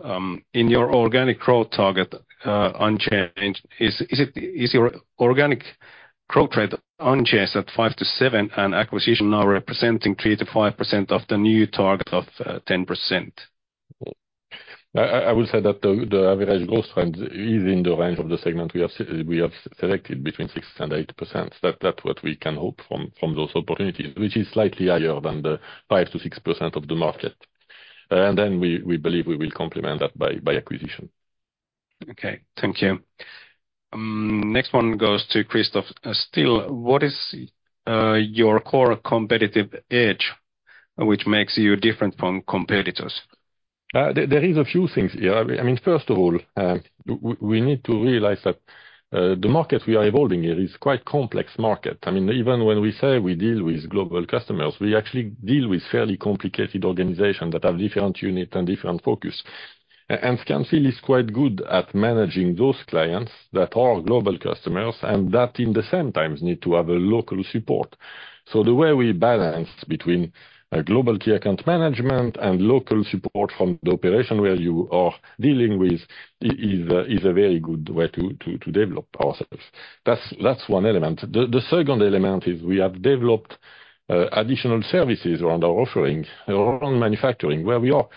In your organic growth target, unchanged, is it your organic growth rate unchanged at 5%-7%, and acquisition now representing 3%-5% of the new target of 10%? I will say that the average growth trend is in the range of the segment we have selected between 6% and 8%. That's what we can hope from those opportunities, which is slightly higher than the 5%-6% of the market. Then we believe we will complement that by acquisition. Okay, thank you. Next one goes to Christophe. Still, what is your core competitive edge which makes you different from competitors? There is a few things here. I mean, first of all, we need to realize that the market we are evolving in is quite complex market. I mean, even when we say we deal with global customers, we actually deal with fairly complicated organizations that have different unit and different focus. And Scanfil is quite good at managing those clients that are global customers, and that in the same time need to have a local support. So the way we balance between a global key account management and local support from the operation where you are dealing with is a very good way to develop ourselves. That's one element. The second element is we have developed additional services around our offerings, around manufacturing, where we are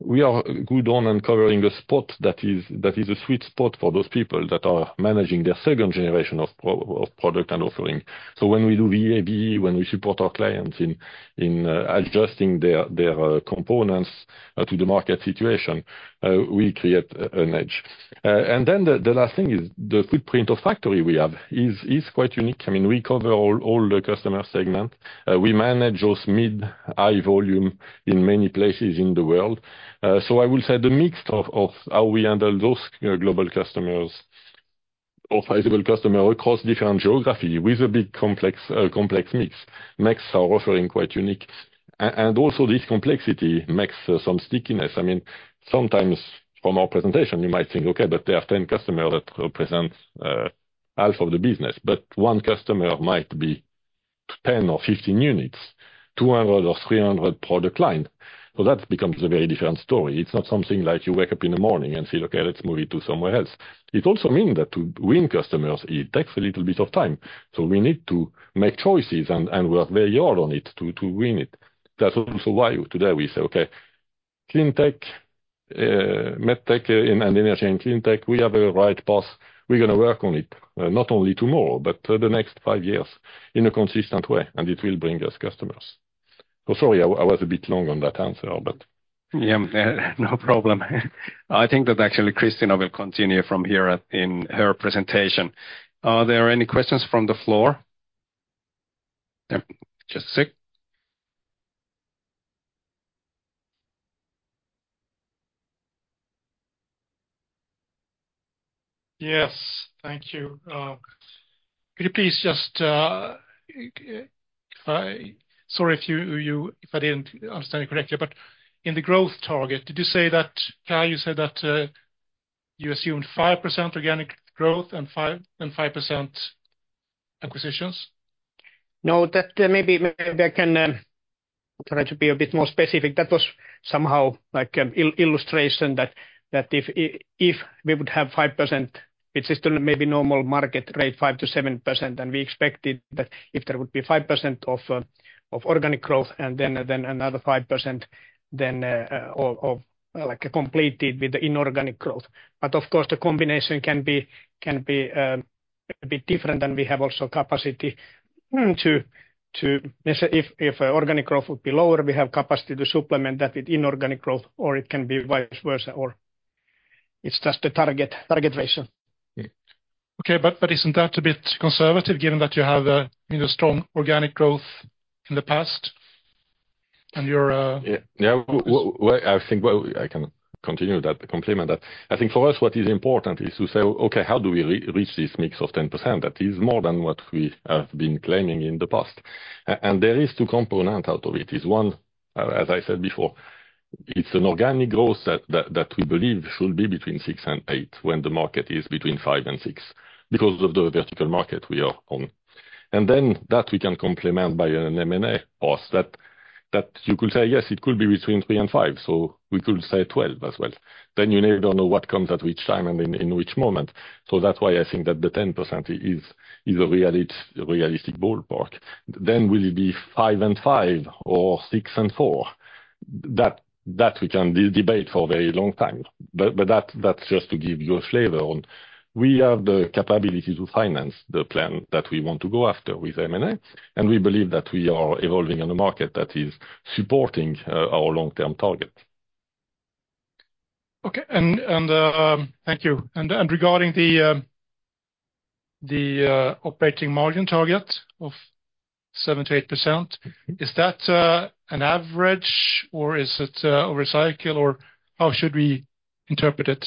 good on uncovering the spot that is a sweet spot for those people that are managing their second generation of product and offering. So when we do VA/VE, when we support our clients in adjusting their components to the market situation, we create an edge. And then the last thing is the footprint of factory we have is quite unique. I mean, we cover all the customer segment. We manage those mid-high volume in many places in the world. So I will say the mix of how we handle those global customers or visible customer across different geography with a big complex mix makes our offering quite unique. And also this complexity makes some stickiness. I mean, sometimes from our presentation, you might think, "Okay, but there are 10 customers that represent half of the business." But one customer might be 10 or 15 units, 200 or 300 product lines. So that becomes a very different story. It's not something like you wake up in the morning and say, "Okay, let's move it to somewhere else." It also means that to win customers, it takes a little bit of time. So we need to make choices, and work very hard on it to win it. That's also why today we say, "Okay, Cleantech, Medtech, and Energy and Cleantech, we have a right path. We're gonna work on it, not only tomorrow, but the next five years in a consistent way, and it will bring us customers." So sorry, I was a bit long on that answer, but- Yeah, no problem. I think that actually Christina will continue from here at, in her presentation. Are there any questions from the floor? Just a sec. Yes, thank you. Could you please just, sorry if you if I didn't understand you correctly, but in the growth target, did you say that, Kai, you said that, you assumed 5% organic growth and 5% acquisitions? No, that maybe I can try to be a bit more specific. That was somehow like an illustration that if we would have 5%, which is the maybe normal market rate, 5%-7%, and we expected that if there would be 5% of organic growth and then another 5%, then of like completed with the inorganic growth. But of course, the combination can be a bit different, and we have also capacity to... Let's say, if organic growth would be lower, we have capacity to supplement that with inorganic growth, or it can be vice versa, or it's just the target ratio. Okay, but isn't that a bit conservative, given that you have a, you know, strong organic growth in the past, and you're- Yeah, yeah, well, I think, well, I can continue that, complement that. I think for us, what is important is to say, "Okay, how do we reach this mix of 10%?" That is more than what we have been claiming in the past. And there are two components out of it. One, as I said before, it's an organic growth that we believe should be between 6% and 8%, when the market is between 5% and 6%, because of the vertical market we are on. And then that we can complement by an M&A path that you could say, yes, it could be between 3% and 5%, so we could say 12% as well. Then you really don't know what comes at which time and in which moment. So that's why I think that the 10% is a realistic ballpark. Then will it be 5 and 5 or 6 and 4? That we can debate for a very long time. But that's just to give you a flavor on... We have the capability to finance the plan that we want to go after with M&A, and we believe that we are evolving in a market that is supporting our long-term target.... Okay, thank you. Regarding the operating margin target of 7%-8%, is that an average, or is it over cycle, or how should we interpret it?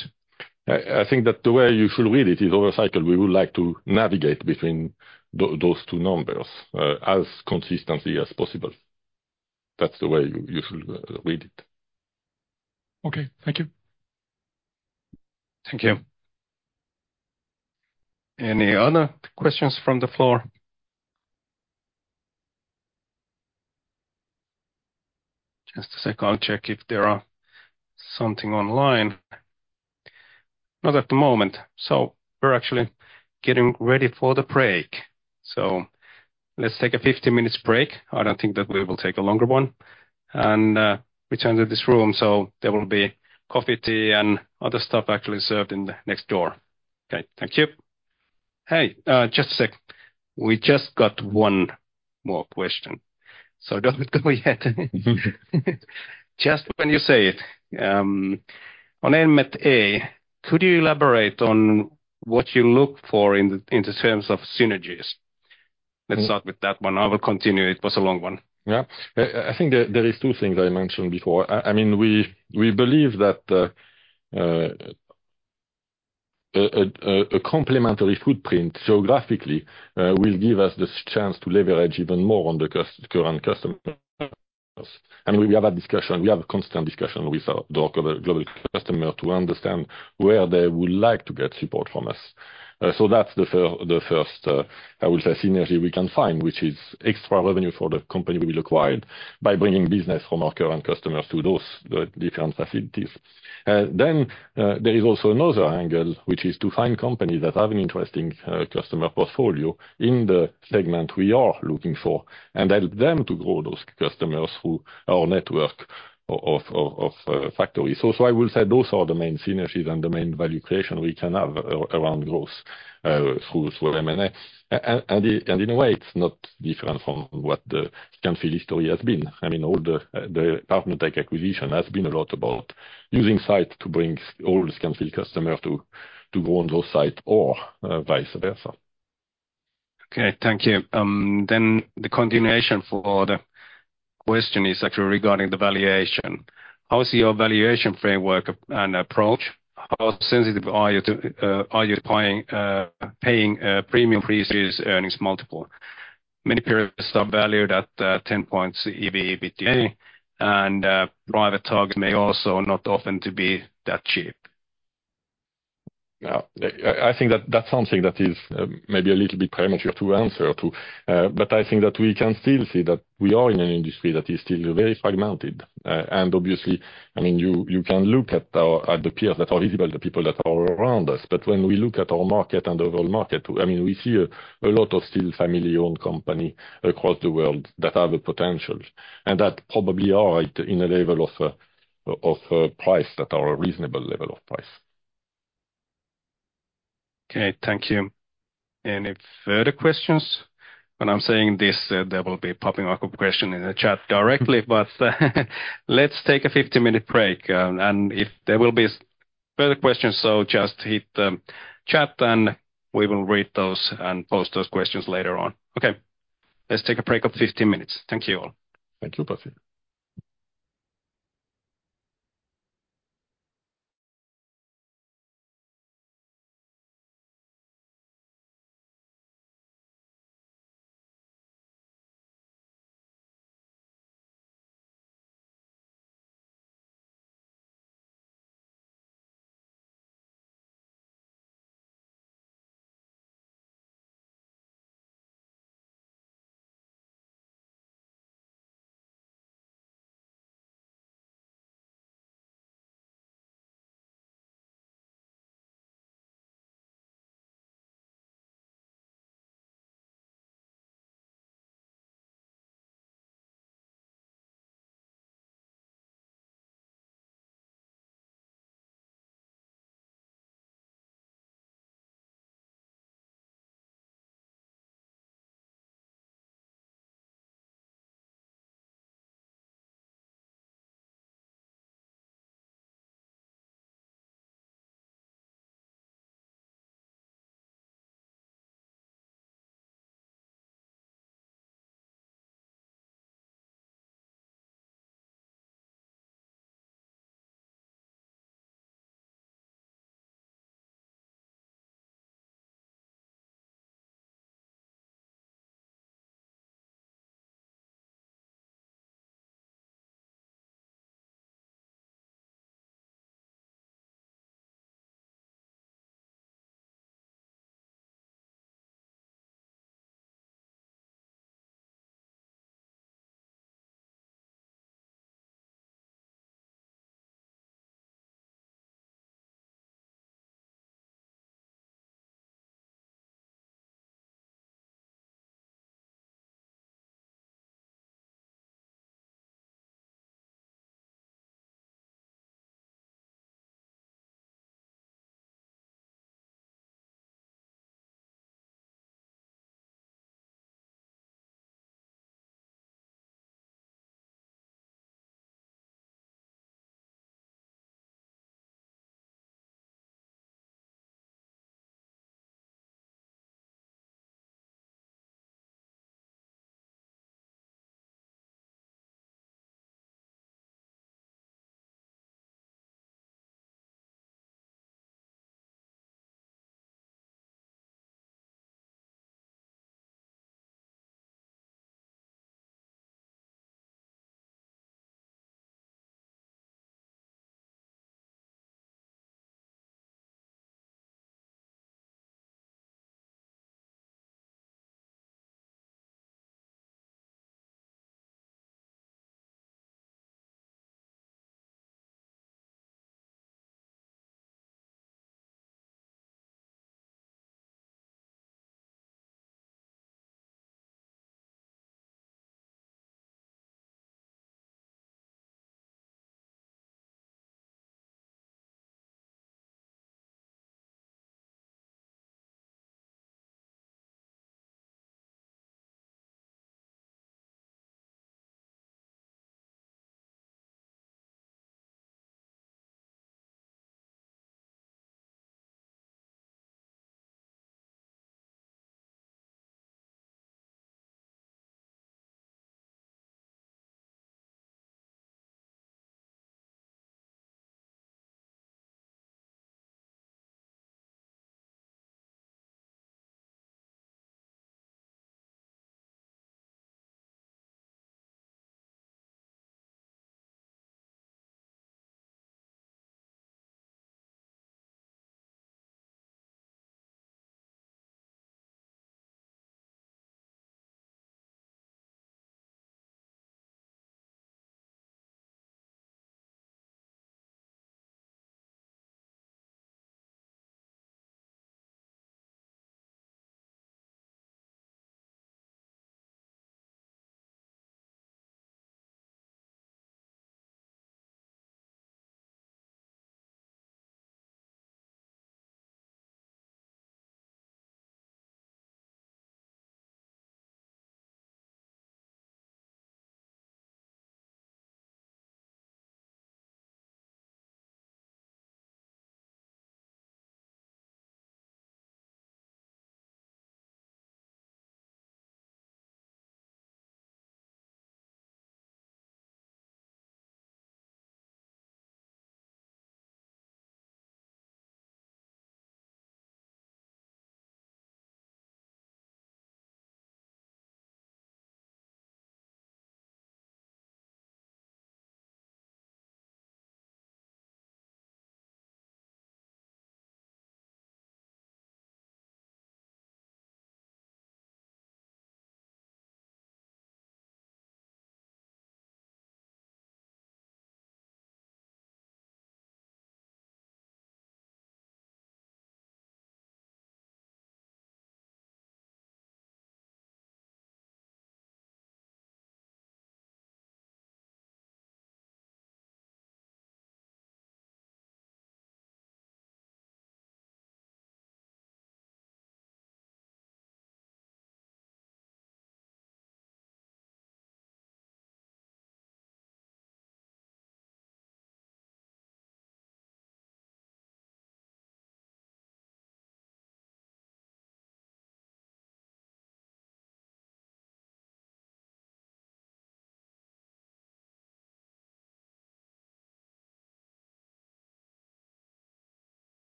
I think that the way you should read it is over cycle, we would like to navigate between those two numbers, as consistently as possible. That's the way you should read it. Okay, thank you. Thank you. Any other questions from the floor? Just a second, I'll check if there are something online. Not at the moment, so we're actually getting ready for the break. So let's take a 50 minutes break. I don't think that we will take a longer one. And, we return to this room, so there will be coffee, tea, and other stuff actually served in the next door. Okay. Thank you. Hey, just a sec. We just got one more question, so don't go yet. Just when you say it, on end with A, could you elaborate on what you look for in the, in the terms of synergies? Let's start with that one. I will continue. It was a long one. Yeah. I think there is two things I mentioned before. I mean, we believe that a complementary footprint geographically will give us this chance to leverage even more on the current customers. I mean, we have a constant discussion with our global customer to understand where they would like to get support from us. So that's the first, I would say, synergy we can find, which is extra revenue for the company we acquired by bringing business from our current customers to the different facilities. Then there is also another angle, which is to find companies that have an interesting customer portfolio in the segment we are looking for, and help them to grow those customers through our network of factories. So I will say those are the main synergies and the main value creation we can have around growth through M&A. And in a way, it's not different from what the Scanfil history has been. I mean, all the PartnerTech acquisition has been a lot about using sites to bring all the Scanfil customers to go on those sites or vice versa. Okay, thank you. Then the continuation for the question is actually regarding the valuation. How is your valuation framework and approach? How sensitive are you to, are you buying, paying, premium increases earnings multiple? Many peers are valued at 10x EBITDA, and private targets may also not often to be that cheap. Yeah, I, I think that that's something that is, maybe a little bit premature to answer to. But I think that we can still see that we are in an industry that is still very fragmented. And obviously, I mean, you, you can look at our, at the peers that are visible, the people that are around us. But when we look at our market and the whole market, I mean, we see a lot of still family-owned company across the world that have a potential, and that probably are in a level of price, that are a reasonable level of price. Okay, thank you. Any further questions? When I'm saying this, there will be popping up a question in the chat directly, but, let's take a 50-minute break, and if there will be further questions, so just hit the chat and we will read those and post those questions later on. Okay, let's take a break of 15 minutes. Thank you all. Thank you, Pasi....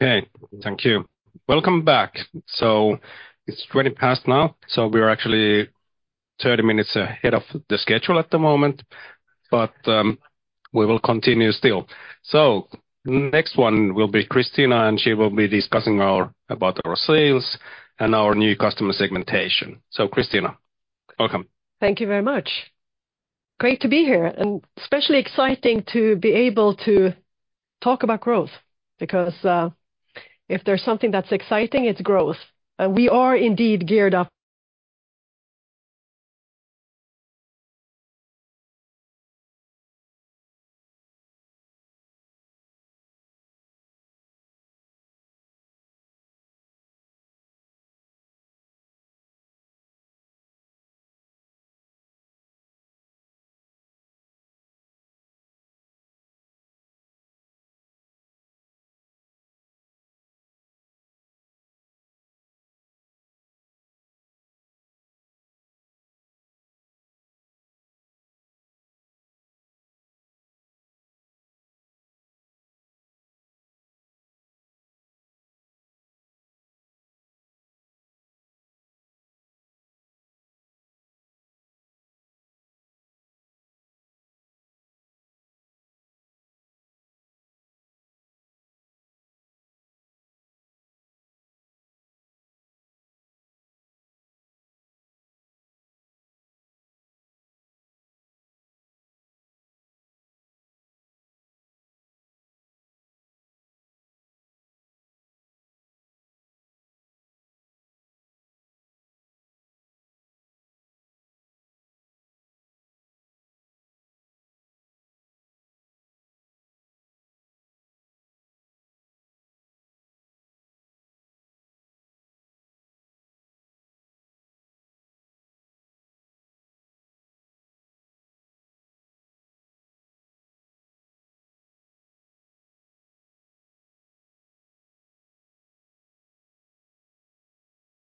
Okay, thank you. Welcome back. So it's 20 past now, so we are actually 30 minutes ahead of the schedule at the moment, but we will continue still. So next one will be Christina, and she will be discussing our sales and our new customer segmentation. So, Christina, welcome. Thank you very much. Great to be here, and especially exciting to be able to talk about growth, because if there's something that's exciting, it's growth, and we are indeed geared up. ...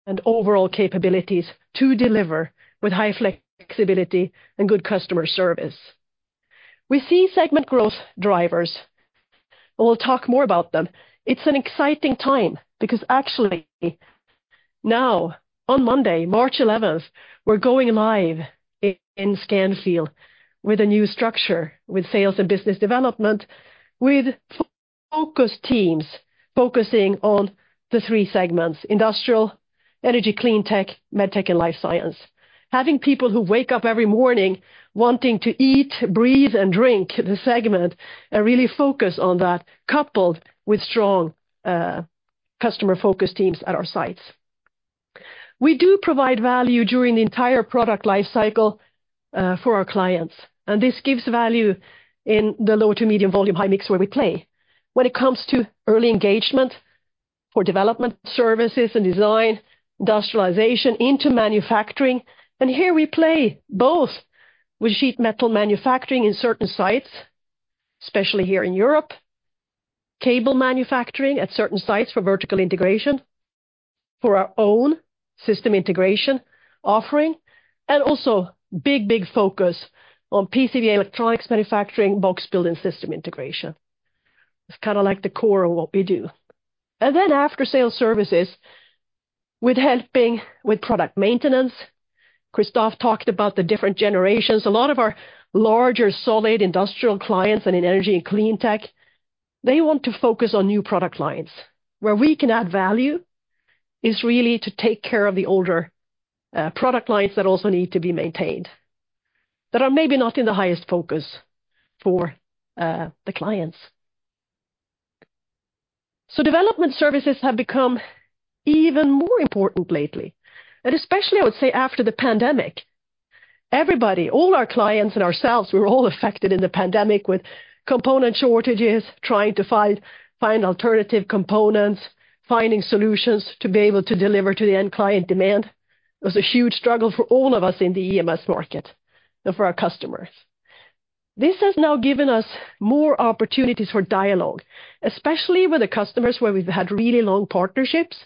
And overall capabilities to deliver with high flexibility and good customer service. We see segment growth drivers, and we'll talk more about them. It's an exciting time because actually now, on Monday, March eleventh, we're going live in Scanfil with a new structure, with sales and business development, with focus teams focusing on the three segments: Industrial, Energy, Cleantech, Medtech, and Life Science. Having people who wake up every morning wanting to eat, breathe, and drink the segment and really focus on that, coupled with strong customer focus teams at our sites. We do provide value during the entire product life cycle for our clients, and this gives value in the low to medium volume, high mix, where we play. When it comes to early engagement for development services and design, Industrialization into manufacturing, and here we play both with sheet metal manufacturing in certain sites, especially here in Europe, cable manufacturing at certain sites for vertical integration, for our own system integration offering, and also big, big focus on PCB electronics manufacturing, box building, system integration. It's kind of like the core of what we do. And then after-sale services, with helping with product maintenance. Christophe talked about the different generations. A lot of our larger, solid industrial clients and in Energy and Cleantech, they want to focus on new product lines. Where we can add value is really to take care of the older product lines that also need to be maintained, that are maybe not in the highest focus for the clients. So development services have become even more important lately, and especially, I would say, after the pandemic. Everybody, all our clients and ourselves, we were all affected in the pandemic with component shortages, trying to find alternative components, finding solutions to be able to deliver to the end client demand. It was a huge struggle for all of us in the EMS market and for our customers. This has now given us more opportunities for dialogue, especially with the customers where we've had really long partnerships,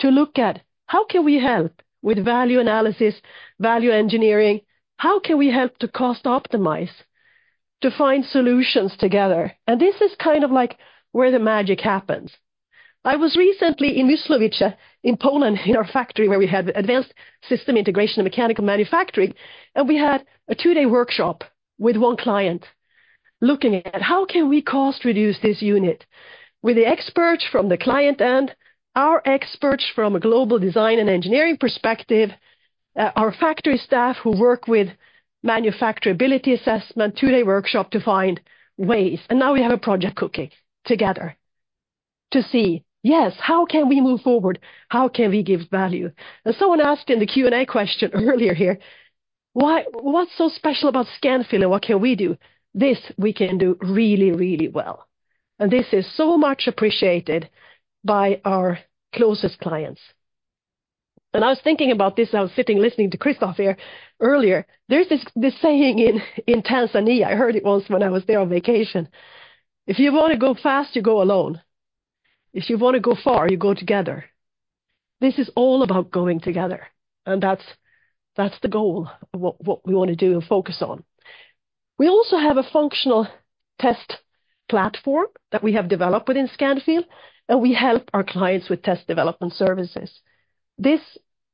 to look at how can we help with value analysis, value engineering? How can we help to cost optimize, to find solutions together? And this is kind of like where the magic happens. I was recently in Mysłowice, in Poland, in our factory, where we had advanced system integration and mechanical manufacturing, and we had a two-day workshop with one client looking at how can we cost reduce this unit? With the experts from the client and our experts from a global design and engineering perspective, our factory staff who work with manufacturability assessment, two-day workshop to find ways. And now we have a project cooking together to see, yes, how can we move forward? How can we give value? And someone asked in the Q&A question earlier here, why—what's so special about Scanfil and what can we do? This we can do really, really well, and this is so much appreciated by our closest clients. And I was thinking about this as I was sitting, listening to Christophe here earlier. There's this saying in Tanzania. I heard it once when I was there on vacation: "If you want to go fast, you go alone. If you want to go far, you go together." This is all about going together, and that's the goal of what we want to do and focus on. We also have a functional test platform that we have developed within Scanfil, and we help our clients with test development services. This,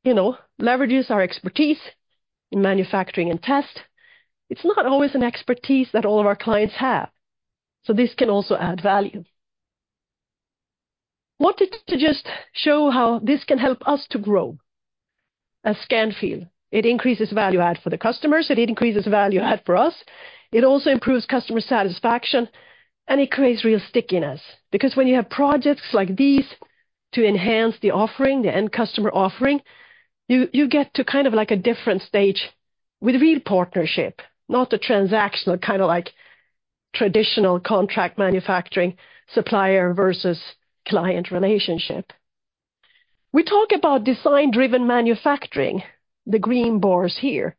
you know, leverages our expertise in manufacturing and test. It's not always an expertise that all of our clients have, so this can also add value. Wanted to just show how this can help us to grow as Scanfil. It increases value add for the customers, it increases value add for us, it also improves customer satisfaction, and it creates real stickiness. Because when you have projects like these to enhance the offering, the end customer offering, you get to kind of like a different stage with real partnership, not a transactional, kind of like traditional contract manufacturing, supplier versus client relationship. We talk about design-driven manufacturing, the green bars here.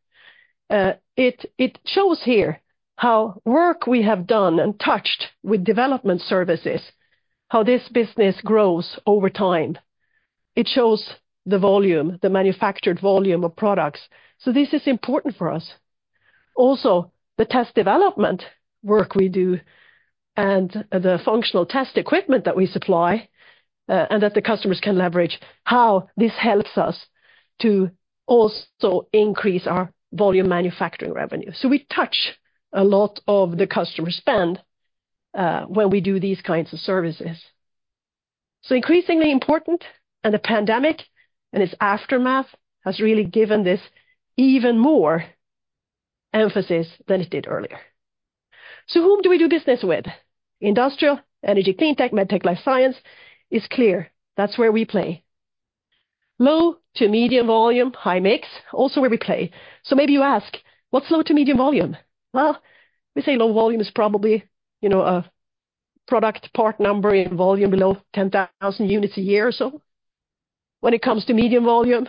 It shows here how work we have done and touched with development services, how this business grows over time. It shows the volume, the manufactured volume of products. So this is important for us. Also, the test development work we do and the functional test equipment that we supply, and that the customers can leverage, how this helps us to also increase our volume manufacturing revenue. So we touch a lot of the customer spend, when we do these kinds of services. So increasingly important, and the pandemic and its aftermath has really given this even more emphasis than it did earlier. So whom do we do business with? Industrial, Energy Cleantech, Medtech, Life Science is clear. That's where we play. Low to medium volume, high mix, also where we play. So maybe you ask, "What's low to medium volume?" Well, we say low volume is probably, you know, a product part number in volume below 10,000 units a year or so. When it comes to medium volume,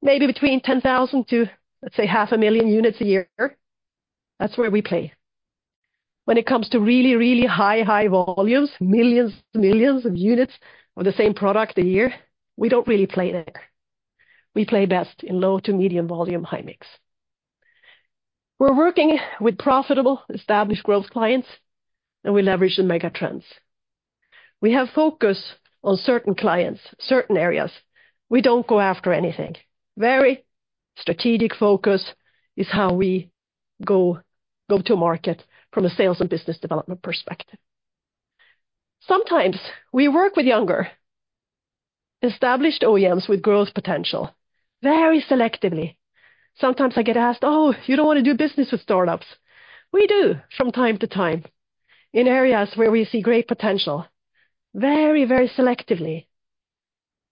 maybe between 10,000 to, let's say, 500,000 units a year. That's where we play. When it comes to really, really high, high volumes, millions to millions of units of the same product a year, we don't really play there. We play best in low to medium volume, high mix. We're working with profitable, established growth clients, and we leverage the mega trends. We have focus on certain clients, certain areas. We don't go after anything. Very strategic focus is how we go to market from a sales and business development perspective. Sometimes we work with younger, established OEMs with growth potential, very selectively. Sometimes I get asked, "Oh, you don't want to do business with startups?" We do, from time to time, in areas where we see great potential, very, very selectively,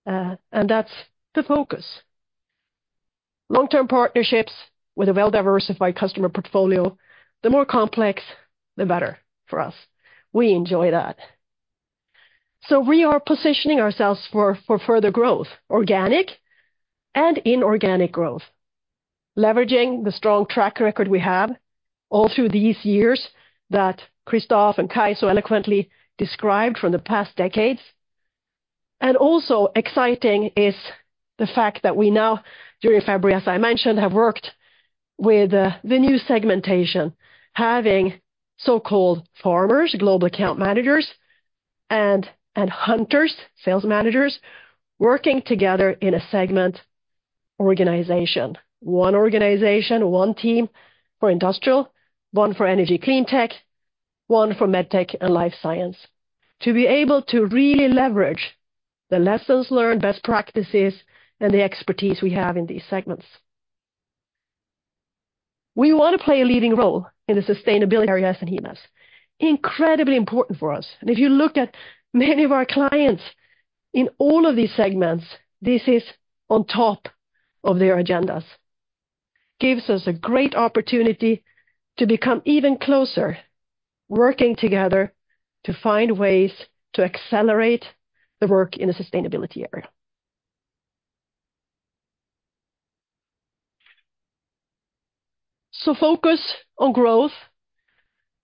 and that's the focus. Long-term partnerships with a well-diversified customer portfolio, the more complex, the better for us. We enjoy that. So we are positioning ourselves for further growth, organic and inorganic growth, leveraging the strong track record we have all through these years that Christophe and Kai so eloquently described from the past decades. Also exciting is the fact that we now, during February, as I mentioned, have worked with the new segmentation, having so-called farmers, global account managers, and hunters, sales managers, working together in a segment organization. One organization, one team for Industrial, one for Energy Cleantech, one for Medtech and Life Science, to be able to really leverage the lessons learned, best practices, and the expertise we have in these segments. We want to play a leading role in the sustainability areas in EMS. Incredibly important for us, and if you look at many of our clients in all of these segments, this is on top of their agendas. Gives us a great opportunity to become even closer, working together to find ways to accelerate the work in the sustainability area. So focus on growth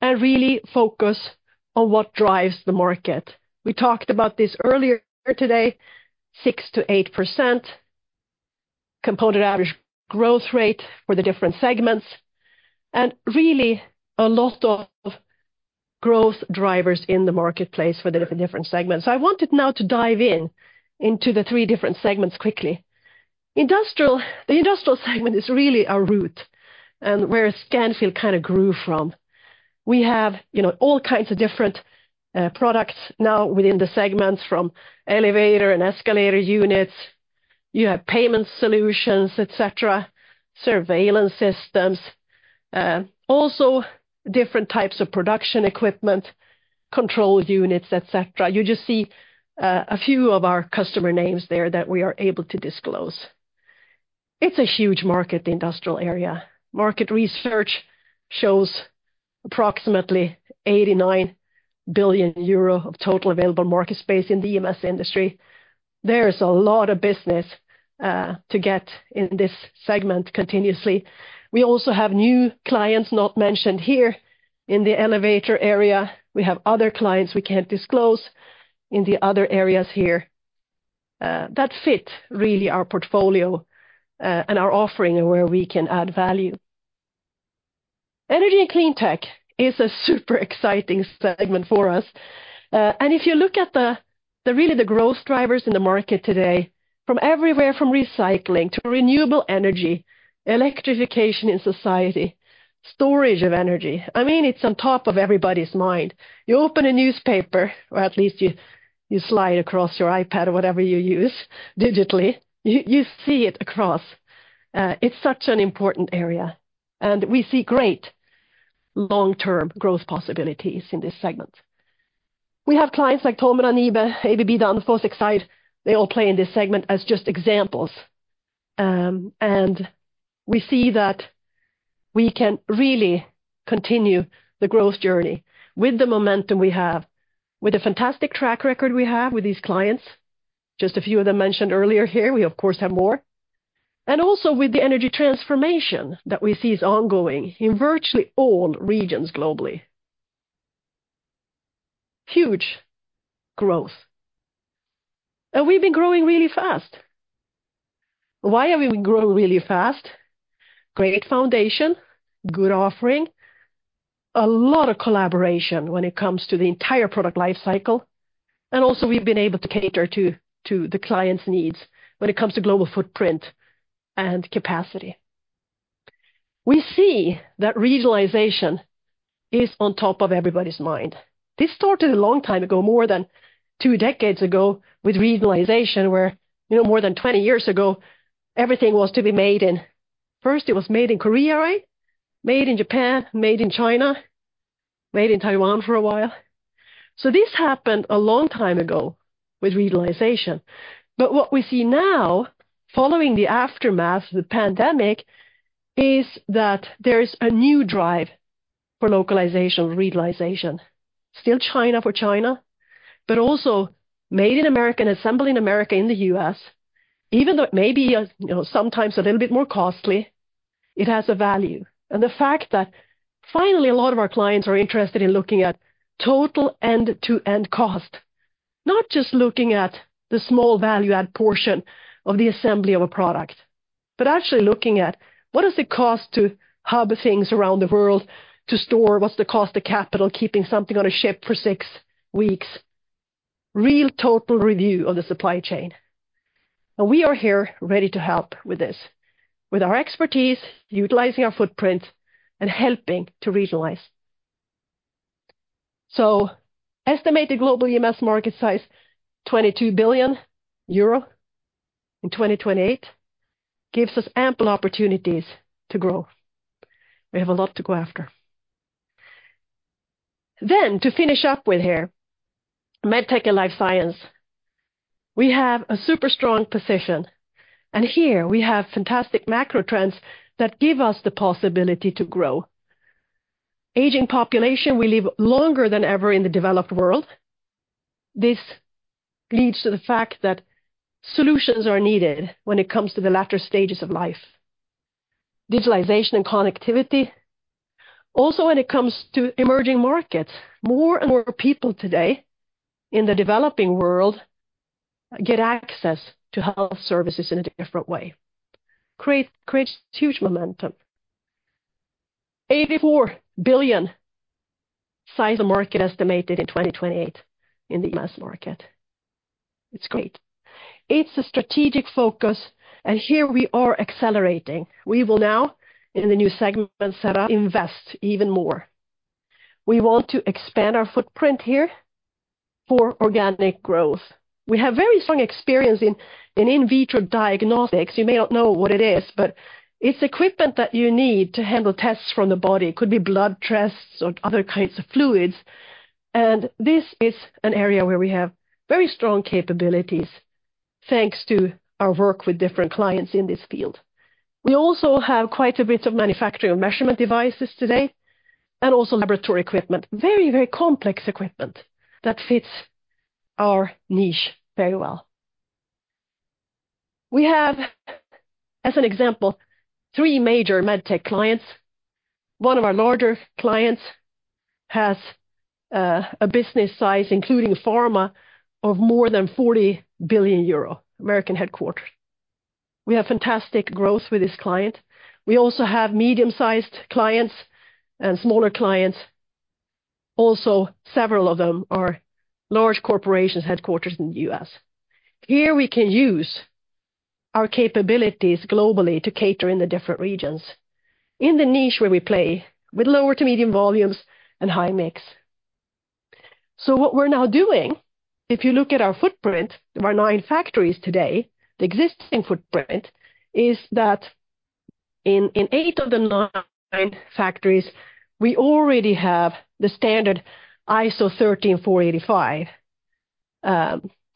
and really focus on what drives the market. We talked about this earlier today, 6%-8% component average growth rate for the different segments, and really a lot of growth drivers in the marketplace for the different segments. I wanted now to dive in into the three different segments quickly. Industrial, the Industrial segment is really our root and where Scanfil kind of grew from. We have, you know, all kinds of different products now within the segments, from elevator and escalator units, you have payment solutions, et cetera, surveillance systems, also different types of production equipment, control units, et cetera. You just see a few of our customer names there that we are able to disclose. It's a huge market, the Industrial area. Market research shows approximately 89 billion euro of total available market space in the EMS industry. There is a lot of business to get in this segment continuously. We also have new clients not mentioned here in the elevator area. We have other clients we can't disclose in the other areas here, that fit really our portfolio, and our offering and where we can add value. Energy and Cleantech is a super exciting segment for us. And if you look at the really growth drivers in the market today, from everywhere, from recycling to renewable Energy, electrification in society, storage of Energy, I mean, it's on top of everybody's mind. You open a newspaper, or at least you slide across your iPad or whatever you use digitally, you see it across. It's such an important area, and we see great long-term growth possibilities in this segment. We have clients like Tomra, NIBE, ABB, Danfoss, Exide. They all play in this segment as just examples. And we see that we can really continue the growth journey with the momentum we have, with the fantastic track record we have with these clients, just a few of them mentioned earlier here, we, of course, have more, and also with the Energy transformation that we see is ongoing in virtually all regions globally. Huge growth. And we've been growing really fast. Why have we been growing really fast? Great foundation, good offering, a lot of collaboration when it comes to the entire product life cycle, and also, we've been able to cater to the client's needs when it comes to global footprint and capacity. We see that regionalization is on top of everybody's mind. This started a long time ago, more than two decades ago, with regionalization, where, you know, more than 20 years ago, everything was to be made in... First, it was made in Korea, right? Made in Japan, made in China, made in Taiwan for a while. So this happened a long time ago with regionalization. But what we see now, following the aftermath of the pandemic, is that there is a new drive for localization, regionalization. Still China for China, but also made in America and assembled in America, in the US, even though it may be, you know, sometimes a little bit more costly, it has a value. And the fact that finally, a lot of our clients are interested in looking at total end-to-end cost, not just looking at the small value-add portion of the assembly of a product, but actually looking at what is the cost to hub things around the world, to store, what's the cost of capital, keeping something on a ship for six weeks? Real total review of the supply chain. We are here ready to help with this, with our expertise, utilizing our footprint and helping to regionalize. Estimated global EMS market size, 22 billion euro in 2028, gives us ample opportunities to grow. We have a lot to go after. To finish up with here, Medtech and Life Science. We have a super strong position, and here we have fantastic macro trends that give us the possibility to grow. Aging population, we live longer than ever in the developed world. This leads to the fact that solutions are needed when it comes to the latter stages of life. Digitalization and connectivity. Also, when it comes to emerging markets, more and more people today in the developing world get access to health services in a different way. Create, creates huge momentum. $84 billion size of market estimated in 2028 in the US market. It's great. It's a strategic focus, and here we are accelerating. We will now, in the new segment set up, invest even more. We want to expand our footprint here for organic growth. We have very strong experience in in vitro diagnostics. You may not know what it is, but it's equipment that you need to handle tests from the body. It could be blood tests or other kinds of fluids, and this is an area where we have very strong capabilities, thanks to our work with different clients in this field. We also have quite a bit of manufacturing and measurement devices today, and also laboratory equipment. Very, very complex equipment that fits our niche very well. We have, as an example, three major Medtech clients. One of our larger clients has a business size, including pharma, of more than 40 billion euro, American headquarters. We have fantastic growth with this client. We also have medium-sized clients and smaller clients. Also, several of them are large corporations, headquarters in the US. Here we can use our capabilities globally to cater in the different regions, in the niche where we play, with lower to medium volumes and high mix. So what we're now doing, if you look at our footprint, there are 9 factories today. The existing footprint is that in 8 of the 9 factories, we already have the standard ISO 13485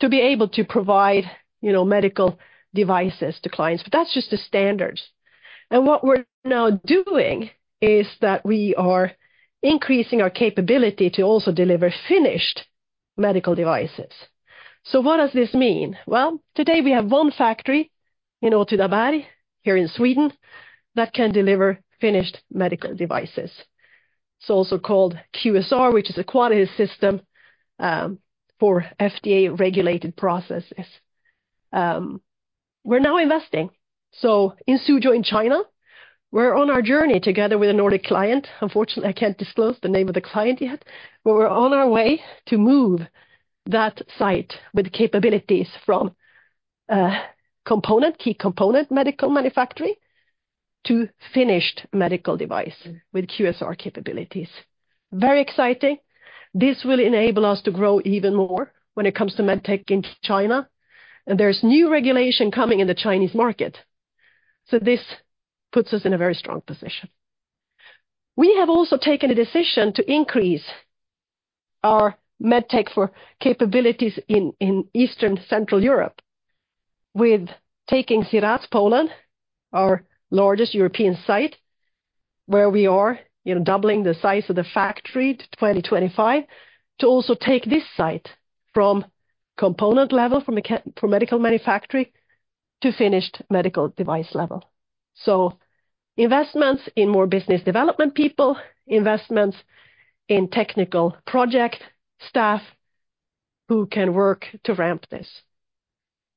to be able to provide, you know, medical devices to clients, but that's just the standards. And what we're now doing is that we are increasing our capability to also deliver finished medical devices. So what does this mean? Well, today we have one factory in Åtvidaberg, here in Sweden, that can deliver finished medical devices. It's also called QSR, which is a quality system for FDA-regulated processes. We're now investing. So in Suzhou, in China, we're on our journey together with a Nordic client. Unfortunately, I can't disclose the name of the client yet, but we're on our way to move that site with capabilities from component, key component medical manufacturing to finished medical device with QSR capabilities. Very exciting. This will enable us to grow even more when it comes to Medtech in China, and there's new regulation coming in the Chinese market, so this puts us in a very strong position. We have also taken a decision to increase Medtech capabilities in Eastern Central Europe, with taking Sieradz, Poland, our largest European site, where we are, you know, doubling the size of the factory to 2025, to also take this site from component level, from medical manufacturing, to finished medical device level. So investments in more business development people, investments in technical project staff who can work to ramp this.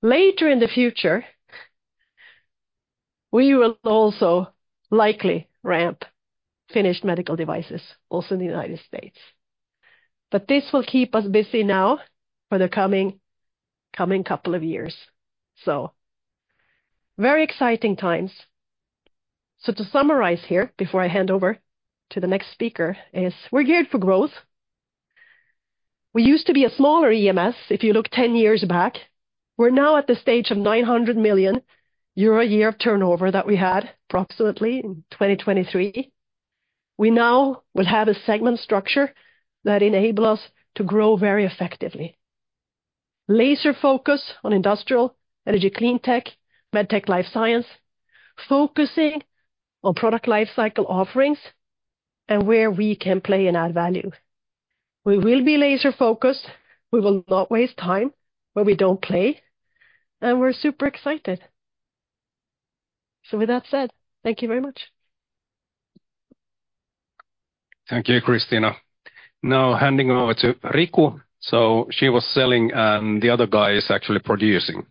Later in the future, we will also likely ramp finished medical devices also in the United States. But this will keep us busy now for the coming couple of years. So very exciting times. So to summarize here, before I hand over to the next speaker, is we're geared for growth. We used to be a smaller EMS, if you look 10 years back. We're now at the stage of 900 million euro a year of turnover that we had approximately in 2023. We now will have a segment structure that enable us to grow very effectively. Laser focus on Industrial, Energy Cleantech, Medtech Life Science, focusing on product life cycle offerings and where we can play and add value. We will be laser focused. We will not waste time where we don't play, and we're super excited. So with that said, thank you very much. Thank you, Christina. Now handing over to Riku. So she was selling, the other guy is actually producing.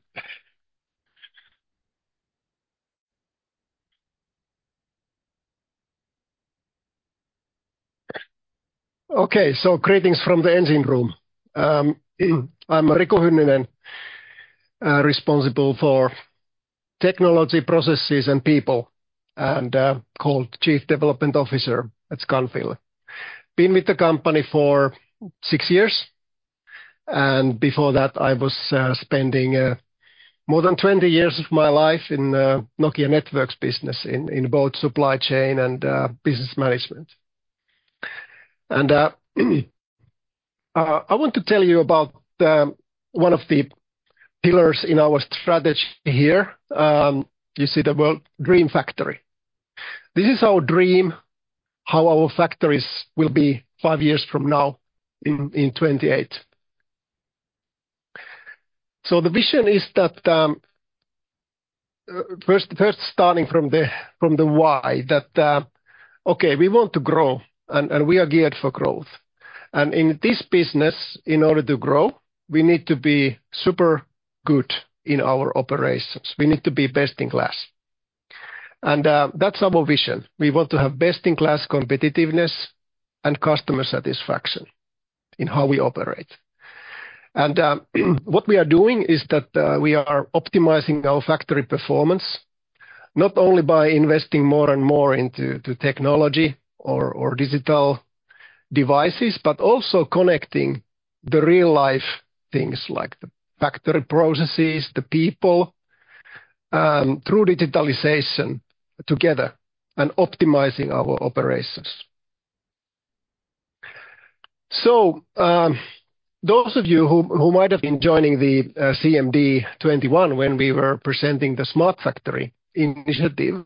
Okay, so greetings from the engine room. I'm Riku Hynninen, responsible for technology, processes, and people, and called Chief Development Officer at Scanfil. Been with the company for six years, and before that, I was spending more than 20 years of my life in Nokia Networks business in both supply chain and business management. And I want to tell you about one of the pillars in our strategy here, you see the word Dream Factory. This is our dream, how our factories will be five years from now in 2028. So the vision is that, starting from the why, we want to grow and we are geared for growth. And in this business, in order to grow, we need to be super good in our operations. We need to be best in class. That's our vision. We want to have best-in-class competitiveness and customer satisfaction in how we operate. What we are doing is that we are optimizing our factory performance. Not only by investing more and more into technology or digital devices, but also connecting the real-life things like the factory processes, the people, through digitalization together and optimizing our operations. So, those of you who might have been joining the CMD 21 when we were presenting the Smart Factory initiative,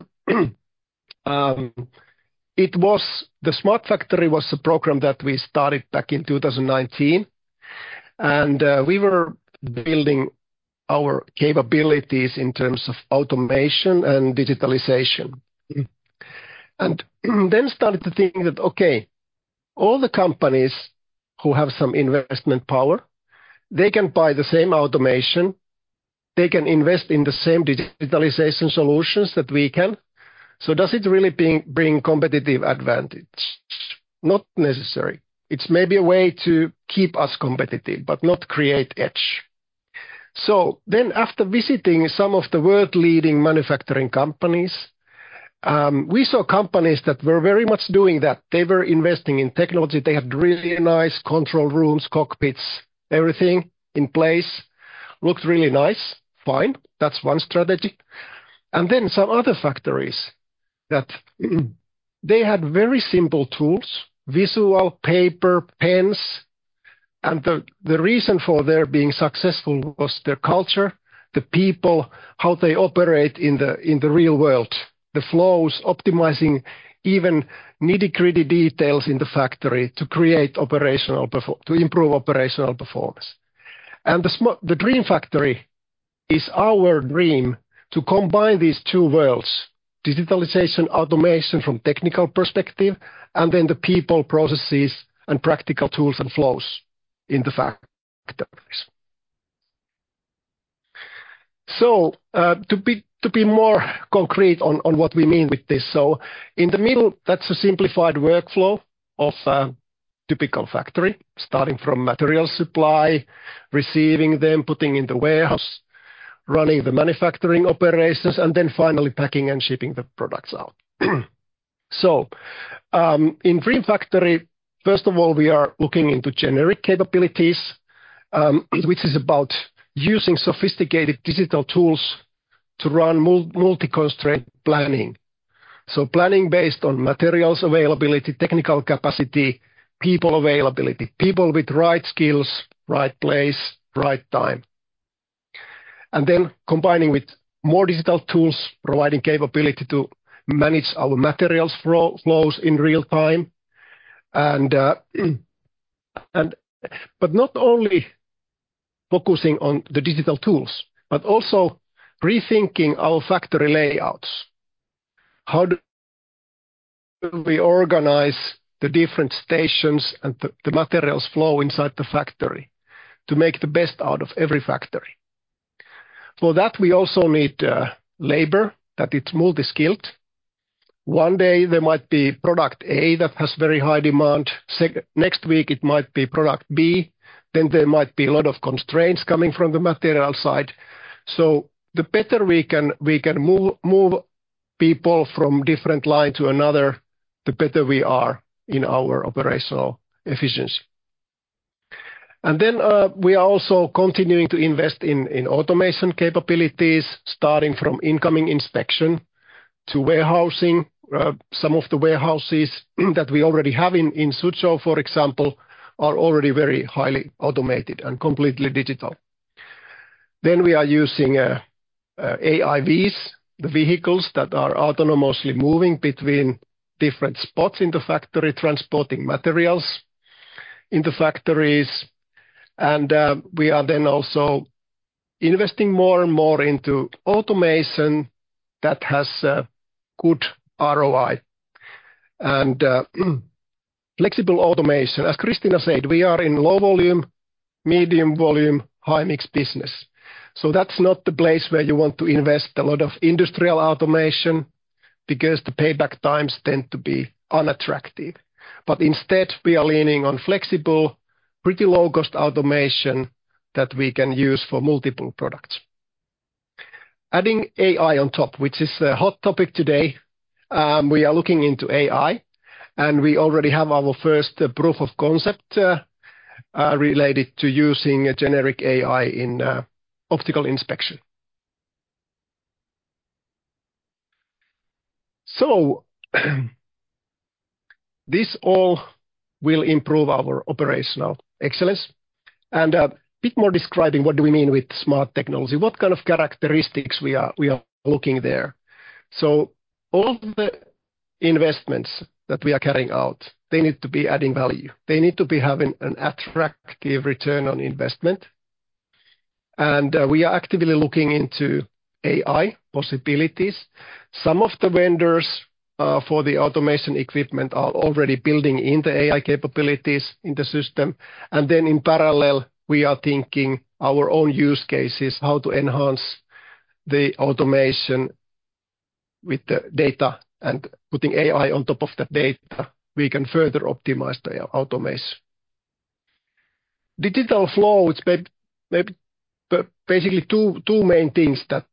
the Smart Factory was a program that we started back in 2019, and we were building our capabilities in terms of automation and digitalization. Then started to think that, okay, all the companies who have some investment power, they can buy the same automation, they can invest in the same digitalization solutions that we can. So does it really bring, bring competitive advantage? Not necessary. It's maybe a way to keep us competitive, but not create edge. So then, after visiting some of the world-leading manufacturing companies, we saw companies that were very much doing that. They were investing in technology. They had really nice control rooms, cockpits, everything in place. Looked really nice. Fine. That's one strategy. And then some other factories that, they had very simple tools: visual, paper, pens. And the reason for their being successful was their culture, the people, how they operate in the real world, the flows, optimizing even nitty-gritty details in the factory to create operational perf-- to improve operational performance. The Dream Factory is our dream to combine these two worlds: digitalization, automation from technical perspective, and then the people, processes, and practical tools and flows in the factories. So, to be more concrete on what we mean with this, so in the middle, that's a simplified workflow of a typical factory, starting from material supply, receiving them, putting in the warehouse, running the manufacturing operations, and then finally packing and shipping the products out. So, in Dream Factory, first of all, we are looking into generic capabilities, which is about using sophisticated digital tools to run multi-constraint planning. So planning based on materials availability, technical capacity, people availability. People with right skills, right place, right time. And then combining with more digital tools, providing capability to manage our materials flows in real time. And, and... But not only focusing on the digital tools, but also rethinking our factory layouts. How do we organize the different stations and the materials flow inside the factory to make the best out of every factory? For that, we also need labor that it's multi-skilled. One day, there might be product A that has very high demand. Next week, it might be product B, then there might be a lot of constraints coming from the material side. So the better we can move people from different line to another, the better we are in our operational efficiency. And then, we are also continuing to invest in automation capabilities, starting from incoming inspection to warehousing. Some of the warehouses that we already have in Suzhou, for example, are already very highly automated and completely digital. Then we are using, AIVs, the vehicles that are autonomously moving between different spots in the factory, transporting materials in the factories. And, we are then also investing more and more into automation that has a good ROI and, flexible automation. As Christina said, we are in low volume, medium volume, high-mix business. So that's not the place where you want to invest a lot of industrial automation because the payback times tend to be unattractive. But instead, we are leaning on flexible, pretty low-cost automation that we can use for multiple products. Adding AI on top, which is a hot topic today, we are looking into AI, and we already have our first proof of concept, related to using a generic AI in, optical inspection. So, this all will improve our operational excellence. A bit more describing what do we mean with smart technology? What kind of characteristics we are looking there. So all the investments that we are carrying out, they need to be adding value. They need to be having an attractive return on investment, and we are actively looking into AI possibilities. Some of the vendors for the automation equipment are already building in the AI capabilities in the system. And then in parallel, we are thinking our own use cases, how to enhance the automation with the data. And putting AI on top of the data, we can further optimize the automation. Digital flow, it's basically two main things that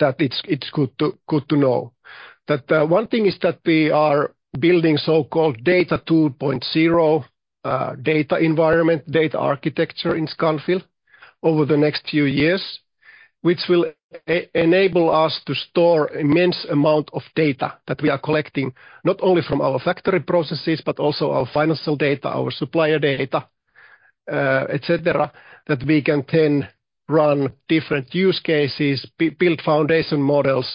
it's good to know. That, one thing is that we are building so-called Data 2.0, data environment, data architecture in Scanfil over the next few years, which will enable us to store immense amount of data that we are collecting, not only from our factory processes, but also our financial data, our supplier data, et cetera, that we can then run different use cases, build foundation models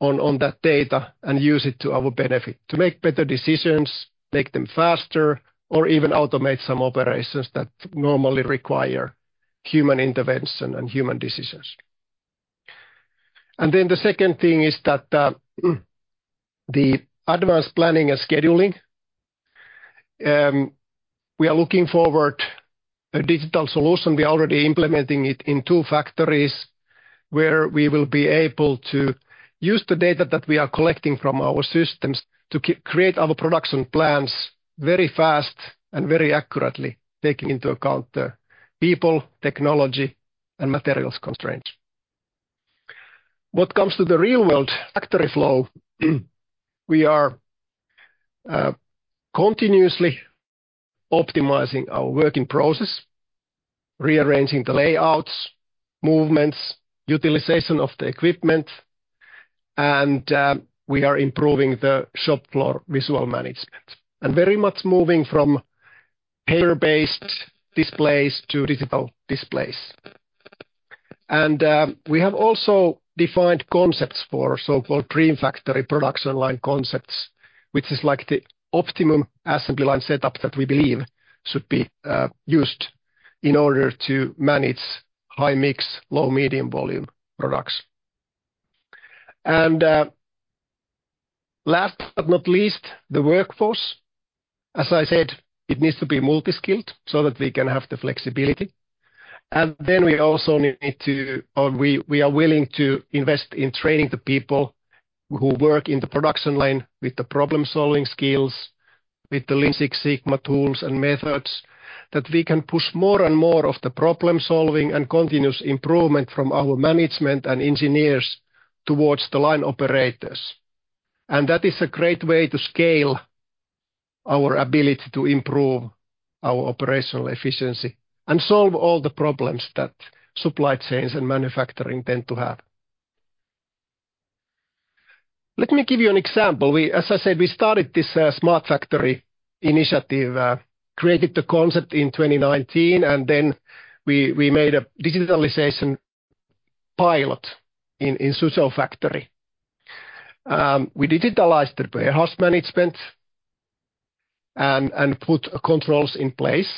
on, on that data, and use it to our benefit to make better decisions, make them faster, or even automate some operations that normally require human intervention and human decisions. And then the second thing is that, the advanced planning and scheduling, we are looking forward a digital solution. We are already implementing it in two factories, where we will be able to use the data that we are collecting from our systems to create our production plans very fast and very accurately, taking into account the people, technology, and materials constraints. What comes to the real-world factory flow, we are continuously optimizing our working process, rearranging the layouts, movements, utilization of the equipment, and we are improving the shop floor visual management, and very much moving from paper-based displays to digital displays. And we have also defined concepts for so-called Dream Factory production line concepts, which is like the optimum assembly line setup that we believe should be used in order to manage high mix, low medium volume products. And last but not least, the workforce. As I said, it needs to be multi-skilled so that we can have the flexibility. We are willing to invest in training the people who work in the production line with the problem-solving skills, with the Lean Six Sigma tools and methods, that we can push more and more of the problem-solving and continuous improvement from our management and engineers towards the line operators. And that is a great way to scale our ability to improve our operational efficiency and solve all the problems that supply chains and manufacturing tend to have. Let me give you an example. As I said, we started this Smart Factory initiative, created the concept in 2019, and then we made a digitalization pilot in Suzhou factory. We digitalized the warehouse management and put controls in place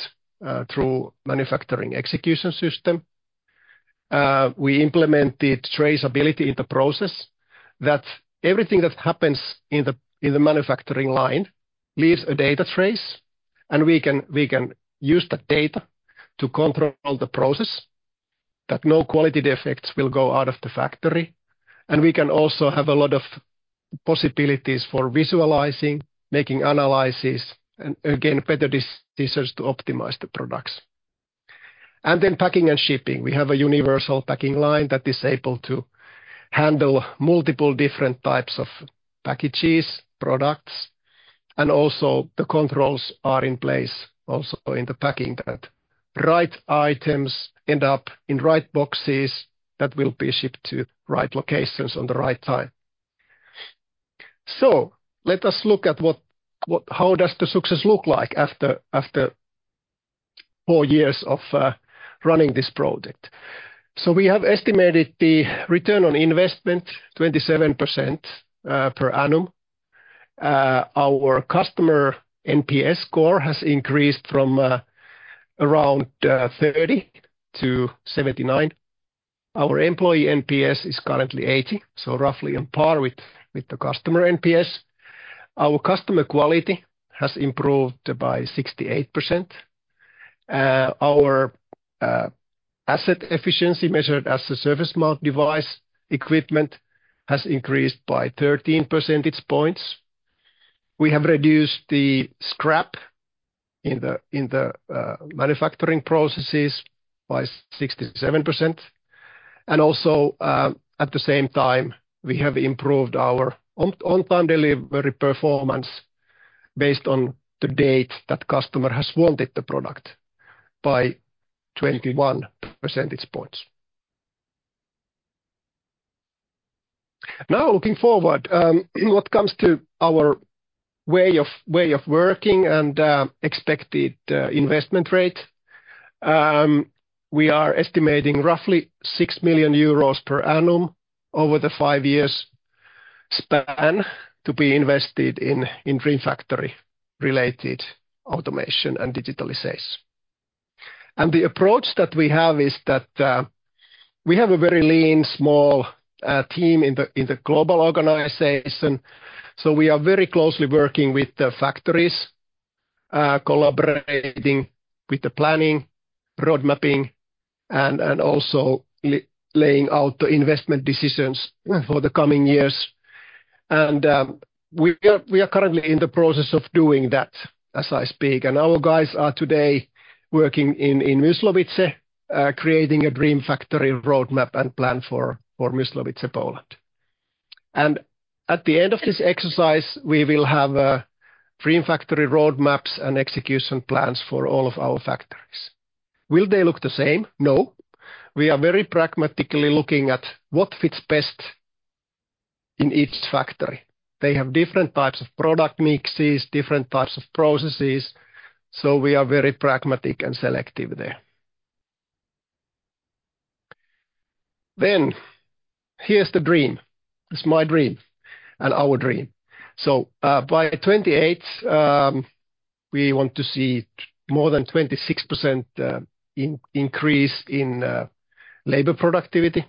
through manufacturing execution system. We implemented traceability in the process, that everything that happens in the, in the manufacturing line leaves a data trace, and we can, we can use that data to control the process, that no quality defects will go out of the factory. And we can also have a lot of possibilities for visualizing, making analysis, and again, better decisions to optimize the products. And then packing and shipping. We have a universal packing line that is able to handle multiple different types of packages, products, and also the controls are in place, also in the packing, that right items end up in right boxes that will be shipped to right locations on the right time. So let us look at what, what – how does the success look like after, after four years of running this project? So we have estimated the return on investment, 27% per annum. Our customer NPS score has increased from around 30 to 79. Our employee NPS is currently 80, so roughly on par with the customer NPS. Our customer quality has improved by 68%. Our asset efficiency, measured as a surface mount device equipment, has increased by 13 percentage points. We have reduced the scrap in the manufacturing processes by 67%. And also, at the same time, we have improved our on-time delivery performance based on the date that customer has wanted the product by 21 percentage points. Now, looking forward, what comes to our way of, way of working and, expected, investment rate, we are estimating roughly 6 million euros per annum over the 5 years span to be invested in, in Dream Factory-related automation and digitalization. And the approach that we have is that, we have a very lean, small, team in the, in the global organization, so we are very closely working with the factories, collaborating with the planning, roadmapping-... and, and also laying out the investment decisions- Yeah. for the coming years. We are currently in the process of doing that, as I speak, and our guys are today working in Mysłowice, creating a Dream Factory roadmap and plan for Mysłowice, Poland. At the end of this exercise, we will have Dream Factory roadmaps and execution plans for all of our factories. Will they look the same? No. We are very pragmatically looking at what fits best in each factory. They have different types of product mixes, different types of processes, so we are very pragmatic and selective there. Here's the dream. It's my dream and our dream. So, by 2028, we want to see more than 26% increase in labor productivity.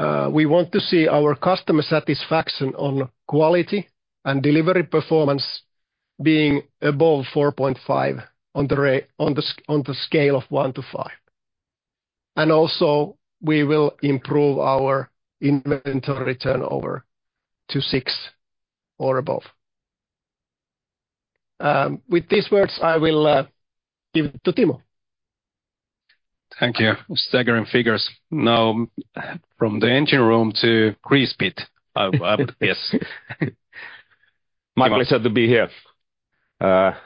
We want to see our customer satisfaction on quality and delivery performance being above 4.5 on the scale of 1-5. Also, we will improve our inventory turnover to 6 or above. With these words, I will give it to Timo. Thank you. Staggering figures. Now, from the engine room to grease pit, I would guess. My pleasure to be here.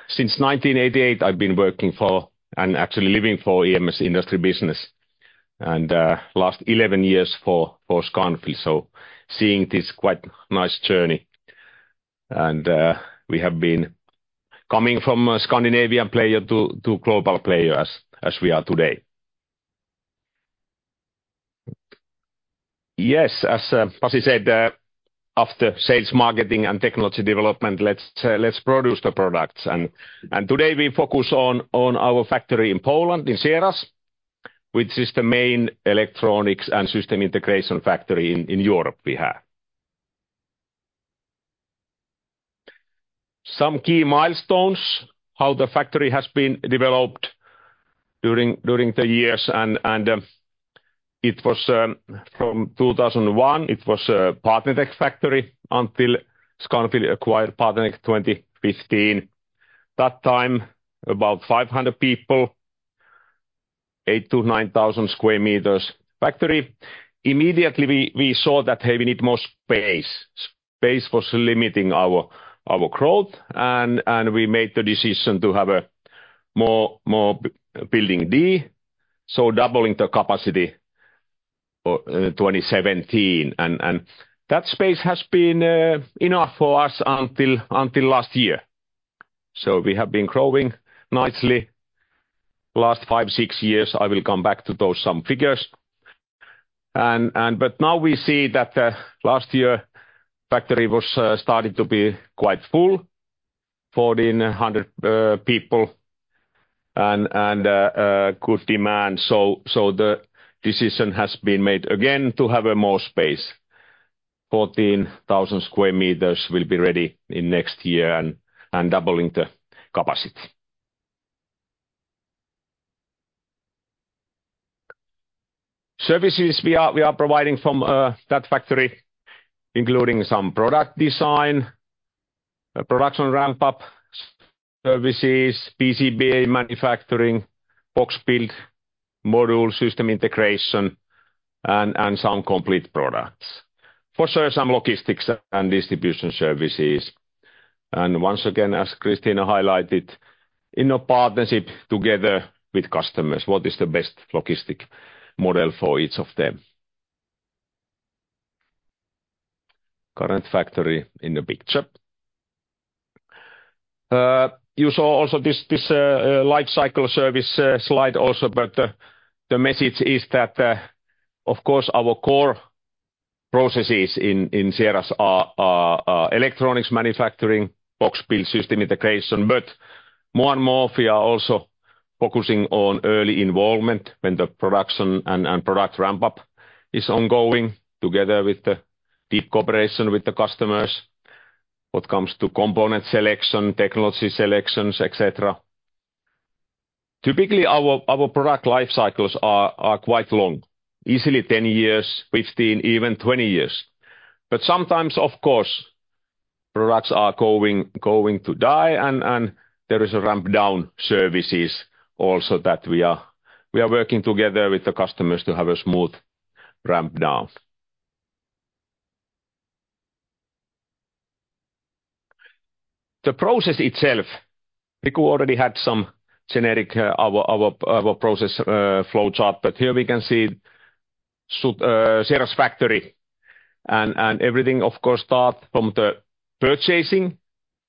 Since 1988, I've been working for, and actually living for EMS industry business, and last 11 years for Scanfil, so seeing this quite nice journey. We have been coming from a Scandinavian player to global player as we are today. Yes, as Pasi said, after sales, marketing, and technology development, let's produce the products. Today, we focus on our factory in Poland, in Sieradz, which is the main electronics and system integration factory in Europe we have. Some key milestones, how the factory has been developed during the years, and it was from 2001, it was a PartnerTech factory until Scanfil acquired PartnerTech in 2015. That time, about 500 people, 8,000-9,000 square meters factory. Immediately, we saw that, hey, we need more space. Space was limiting our growth, and we made the decision to have a more Building D, so doubling the capacity for 2017. That space has been enough for us until last year, so we have been growing nicely last five, six years. I will come back to those some figures. But now we see that last year, factory was starting to be quite full, 1,400 people and a good demand. So the decision has been made again to have more space. 14,000 square meters will be ready in next year, and doubling the capacity. Services we are providing from that factory, including some product design, a production ramp-up services, PCBA manufacturing, box build, module system integration, and some complete products. For sure, some logistics and distribution services. And once again, as Kristina highlighted, in a partnership together with customers, what is the best logistic model for each of them? Current factory in the picture. You saw also this life cycle service slide also, but the message is that, of course, our core processes in Sieradz are electronics manufacturing, box build system integration, but more and more, we are also focusing on early involvement when the production and product ramp-up is ongoing, together with the deep cooperation with the customers, what comes to component selection, technology selections, et cetera. Typically, our product life cycles are quite long, easily 10 years, 15, even 20 years. But sometimes, of course, products are going to die, and there is a ramp-down services also that we are working together with the customers to have a smooth ramp-down. The process itself, Riku already had some generic, our process, flowchart, but here we can see Sieradz factory. Everything, of course, start from the purchasing.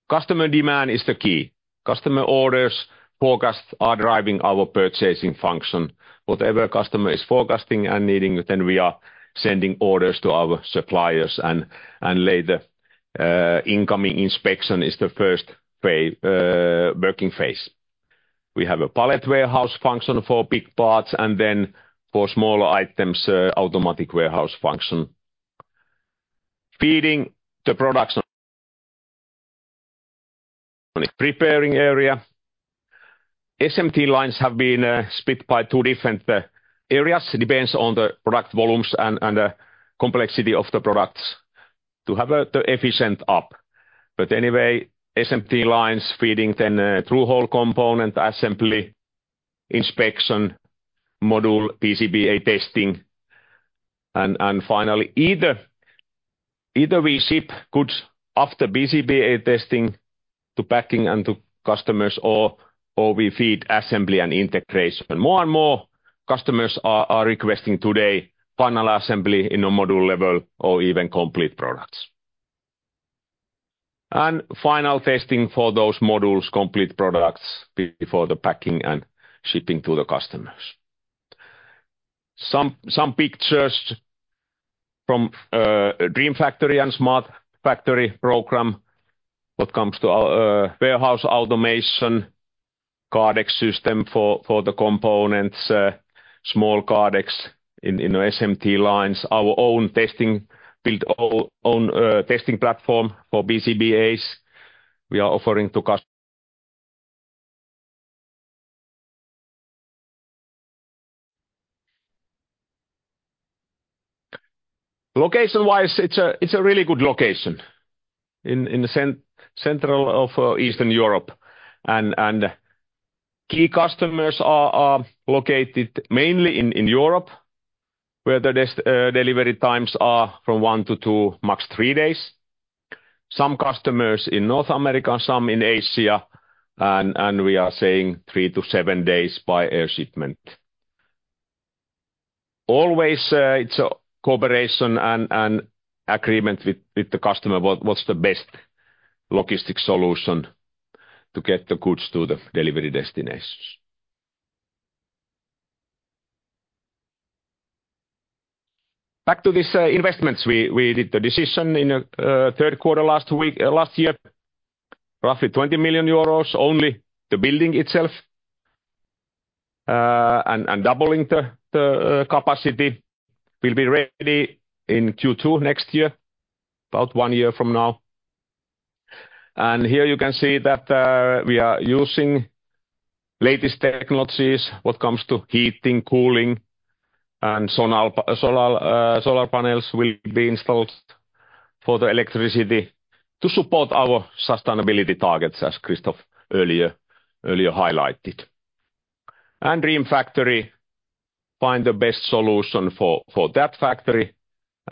Customer demand is the key. Customer orders, forecasts are driving our purchasing function. Whatever customer is forecasting and needing, then we are sending orders to our suppliers, and later, incoming inspection is the first working phase. We have a pallet warehouse function for big parts, and then for smaller items, automatic warehouse function. Feeding the production... On the preparing area, SMT lines have been split by two different areas. It depends on the product volumes and the complexity of the products to have the efficient up. But anyway, SMT lines feeding then through THT component assembly, inspection, module PCBA testing, and finally, either we ship goods after PCBA testing to packing and to customers, or we feed assembly and integration. More and more customers are requesting today final assembly in a module level or even complete products. And final testing for those modules, complete products before the packing and shipping to the customers. Some pictures from Dream Factory and Smart Factory program. What comes to our warehouse automation, Kardex system for the components, small Kardex in, you know, SMT lines, our own testing, build our own testing platform for PCBAs. Location-wise, it's a really good location in the central of Eastern Europe. Key customers are located mainly in Europe, where the delivery times are from 1-2, max 3 days. Some customers in North America, some in Asia, and we are saying 3-7 days by air shipment. Always, it's a cooperation and agreement with the customer, what's the best logistic solution to get the goods to the delivery destinations. Back to these investments, we did the decision in Q3 last week last year, roughly 20 million euros, only the building itself. Doubling the capacity will be ready in Q2 next year, about one year from now. And here you can see that we are using latest technologies when it comes to heating, cooling, and solar, solar panels will be installed for the electricity to support our sustainability targets, as Christophe earlier highlighted. And Dream Factory find the best solution for that factory,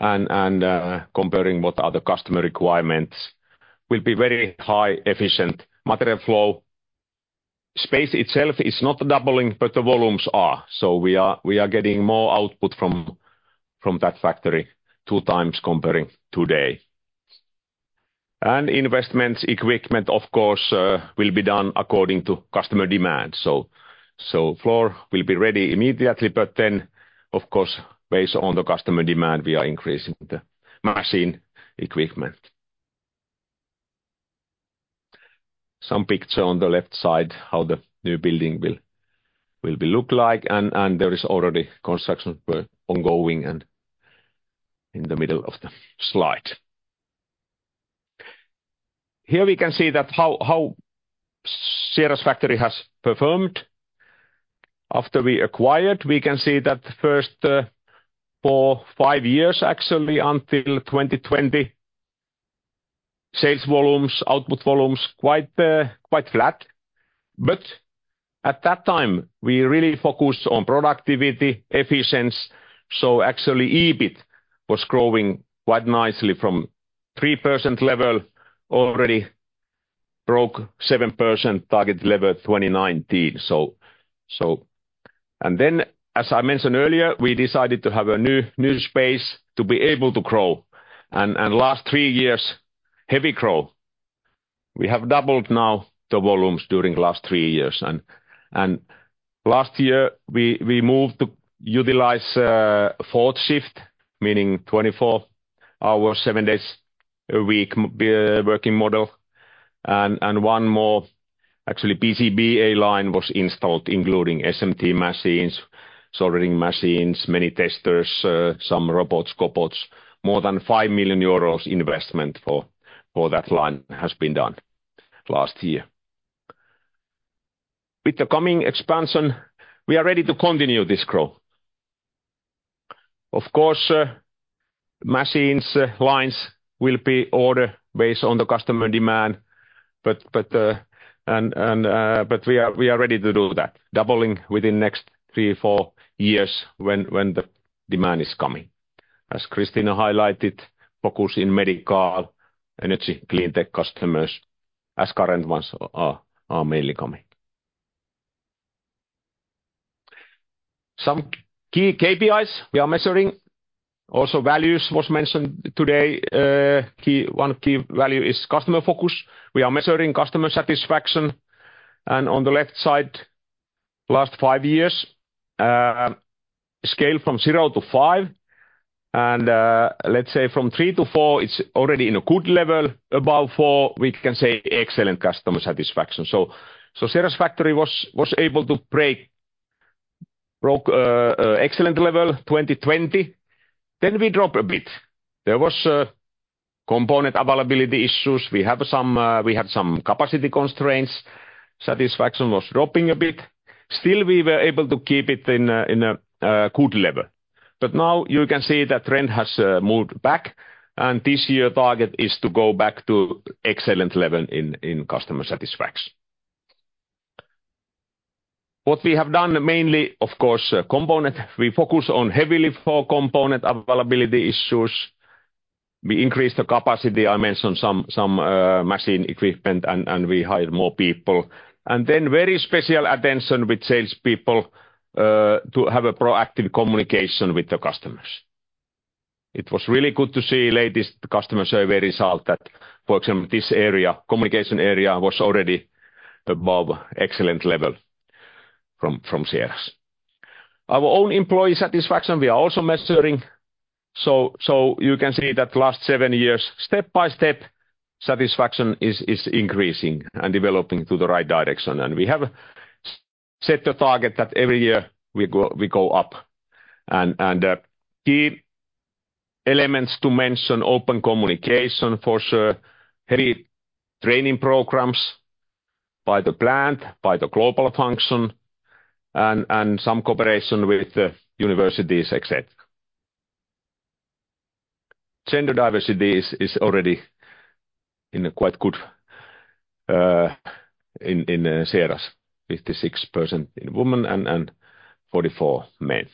and comparing what are the customer requirements, will be very high, efficient material flow. Space itself is not doubling, but the volumes are. So we are getting more output from that factory, 2 times comparing today. And investments, equipment, of course, will be done according to customer demand. So floor will be ready immediately, but then, of course, based on the customer demand, we are increasing the machine equipment. Some picture on the left side, how the new building will look like, and there is already construction work ongoing and in the middle of the slide. Here we can see how Sieradz's factory has performed. After we acquired, we can see that first four, five years, actually, until 2020, sales volumes, output volumes, quite flat. But at that time, we really focused on productivity, efficiency. So actually, EBIT was growing quite nicely from 3% level, already broke 7% target level 2019. So... And then, as I mentioned earlier, we decided to have a new space to be able to grow, and last three years, heavy growth. We have doubled now the volumes during last 3 years, and last year, we moved to utilize fourth shift, meaning 24 hours, 7 days a week, working model. And one more, actually, PCBA line was installed, including SMT machines, soldering machines, many testers, some robots, cobots. More than 5 million euros investment for that line has been done last year. With the coming expansion, we are ready to continue this growth. Of course, machines, lines will be ordered based on the customer demand, but we are ready to do that, doubling within next 3, 4 years when the demand is coming. As Christina highlighted, focus in medical, Energy, Cleantech customers, as current ones are mainly coming. Some key KPIs we are measuring, also values was mentioned today. Key, one key value is customer focus. We are measuring customer satisfaction, and on the left side, last five years, scale from zero to five, and, let's say from three to four, it's already in a good level. Above four, we can say excellent customer satisfaction. So, Sieradz's factory was able to broke excellent level 2020, then we drop a bit. There was component availability issues. We had some capacity constraints. Satisfaction was dropping a bit. Still, we were able to keep it in a good level. But now you can see the trend has moved back, and this year, target is to go back to excellent level in customer satisfaction. What we have done mainly, of course, component, we focus on heavily for component availability issues. We increase the capacity. I mentioned some machine equipment, and we hire more people. And then very special attention with salespeople to have a proactive communication with the customers. It was really good to see latest customer survey result that, for example, this area, communication area, was already above excellent level from Sieradz. Our own employee satisfaction, we are also measuring, so you can see that last seven years, step by step, satisfaction is increasing and developing to the right direction, and we have set the target that every year we go up. Key elements to mention, open communication, for sure. Heavy training programs by the plant, by the global function, and some cooperation with the universities, et cetera. Gender diversity is already in quite good in Sieradz, 56% women and 44 men.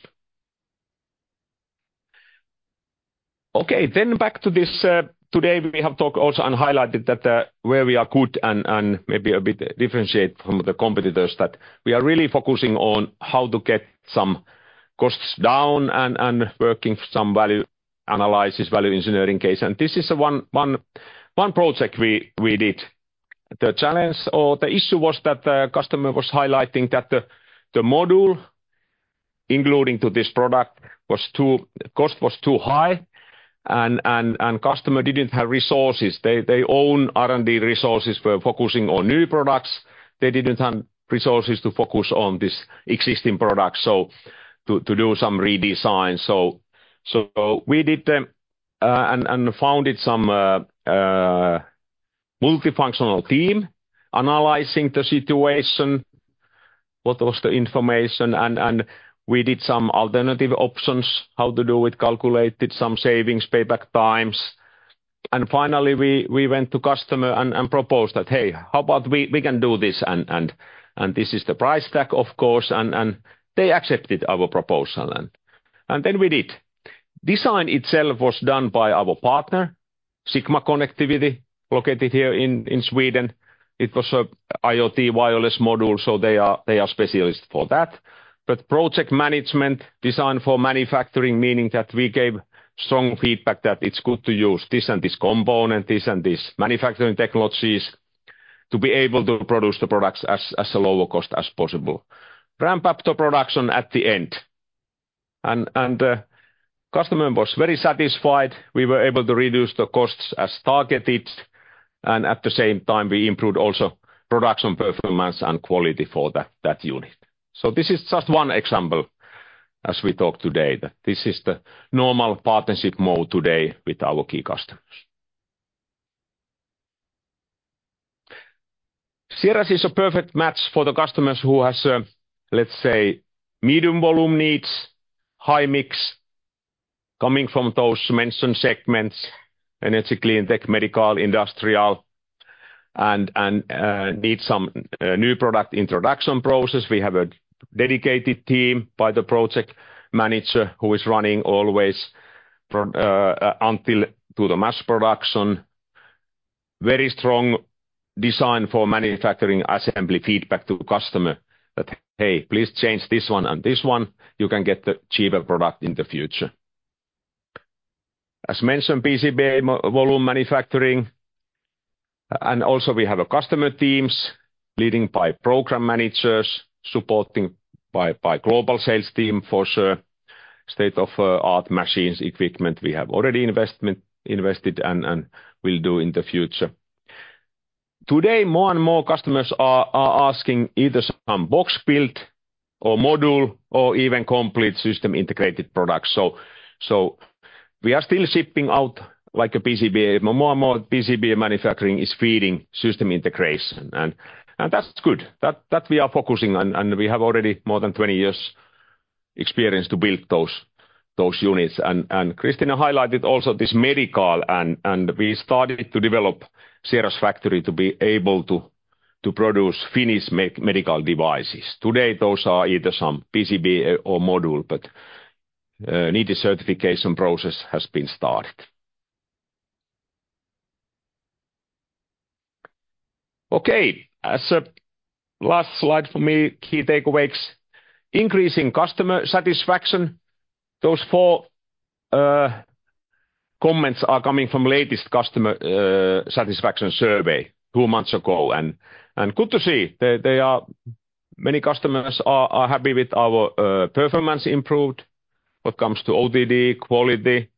Okay, back to this, today we have talked also and highlighted that where we are good and maybe a bit differentiate from the competitors, that we are really focusing on how to get some costs down and working some value analysis, value engineering case, and this is one project we did. The challenge or the issue was that the customer was highlighting that the module including to this product was too—cost was too high, and customer didn't have resources. They, their own R&D resources were focusing on new products. They didn't have resources to focus on this existing product, so to do some redesign. So we did them and formed some multifunctional team, analyzing the situation, what was the information, and we did some alternative options, how to do it, calculated some savings, payback times. And finally, we went to customer and proposed that, "Hey, how about we can do this, and this is the price tag, of course." And they accepted our proposal and then we did. Design itself was done by our partner, Sigma Connectivity, located here in Sweden. It was an IoT wireless module, so they are specialist for that. But project management, design for manufacturing, meaning that we gave strong feedback that it's good to use this and this component, this and this manufacturing technologies, to be able to produce the products at a lower cost as possible. Ramp up the production at the end. The customer was very satisfied. We were able to reduce the costs as targeted, and at the same time, we improved also production performance and quality for that unit. So this is just one example as we talk today, that this is the normal partnership model today with our key customers. Sieradz is a perfect match for the customers who has, let's say, medium volume needs, high mix, coming from those mentioned segments, Energy, Cleantech, medical, Industrial, and need some new product introduction process. We have a dedicated team by the project manager, who is running always from until to the mass production. Very strong design for manufacturing, assembly feedback to customer, that, "Hey, please change this one and this one. You can get the cheaper product in the future." As mentioned, PCBA more volume manufacturing, and also we have customer teams led by program managers, supported by global sales team, for sure. State-of-the-art machines, equipment we have already invested and will do in the future. Today, more and more customers are asking either some box build or module or even complete system-integrated products. So we are still shipping out like a PCBA. More and more PCBA manufacturing is feeding system integration, and that's good. That we are focusing on, and we have already more than 20 years experience to build those units. Christina highlighted also this medical, and we started to develop Sieradz factory to be able to produce finished medical devices. Today, those are either some PCB or module, but needed certification process has been started. Okay, as a last slide for me, key takeaways. Increasing customer satisfaction. Those four comments are coming from latest customer satisfaction survey two months ago, and good to see. Many customers are happy with our performance improved when it comes to OTD, quality,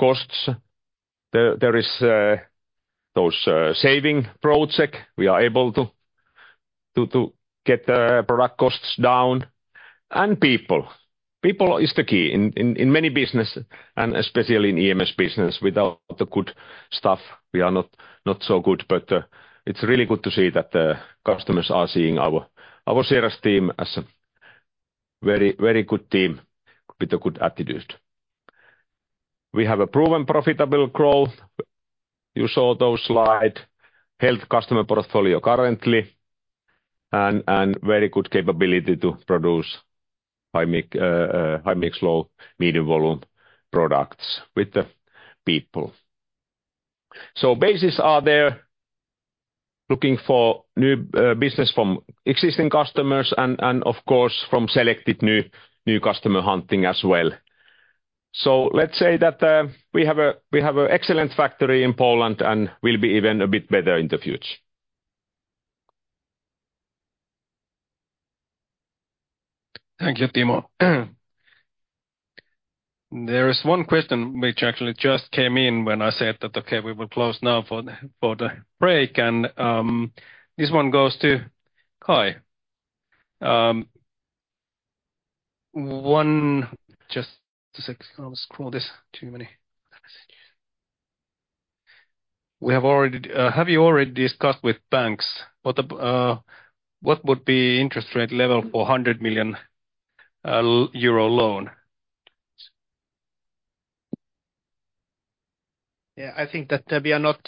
costs. There is those saving project, we are able to get the product costs down. And people is the key in many business, and especially in EMS business, without the good stuff, we are not so good. But it's really good to see that the customers are seeing our sales team as a very, very good team with a good attitude. We have a proven profitable growth. You saw those slides, health customer portfolio currently, and very good capability to produce high-mix, low, medium volume products with the people. So bases are there, looking for new business from existing customers and, of course, from selected new customer hunting as well. So let's say that we have an excellent factory in Poland, and will be even a bit better in the future. Thank you, Timo. There is one question which actually just came in when I said that, "Okay, we will close now for the, for the break." And, this one goes to Kai. One... Just a second, I'll scroll this. Too many messages. Have you already discussed with banks what the what would be interest rate level for 100 million euro loan? Yeah, I think that we are not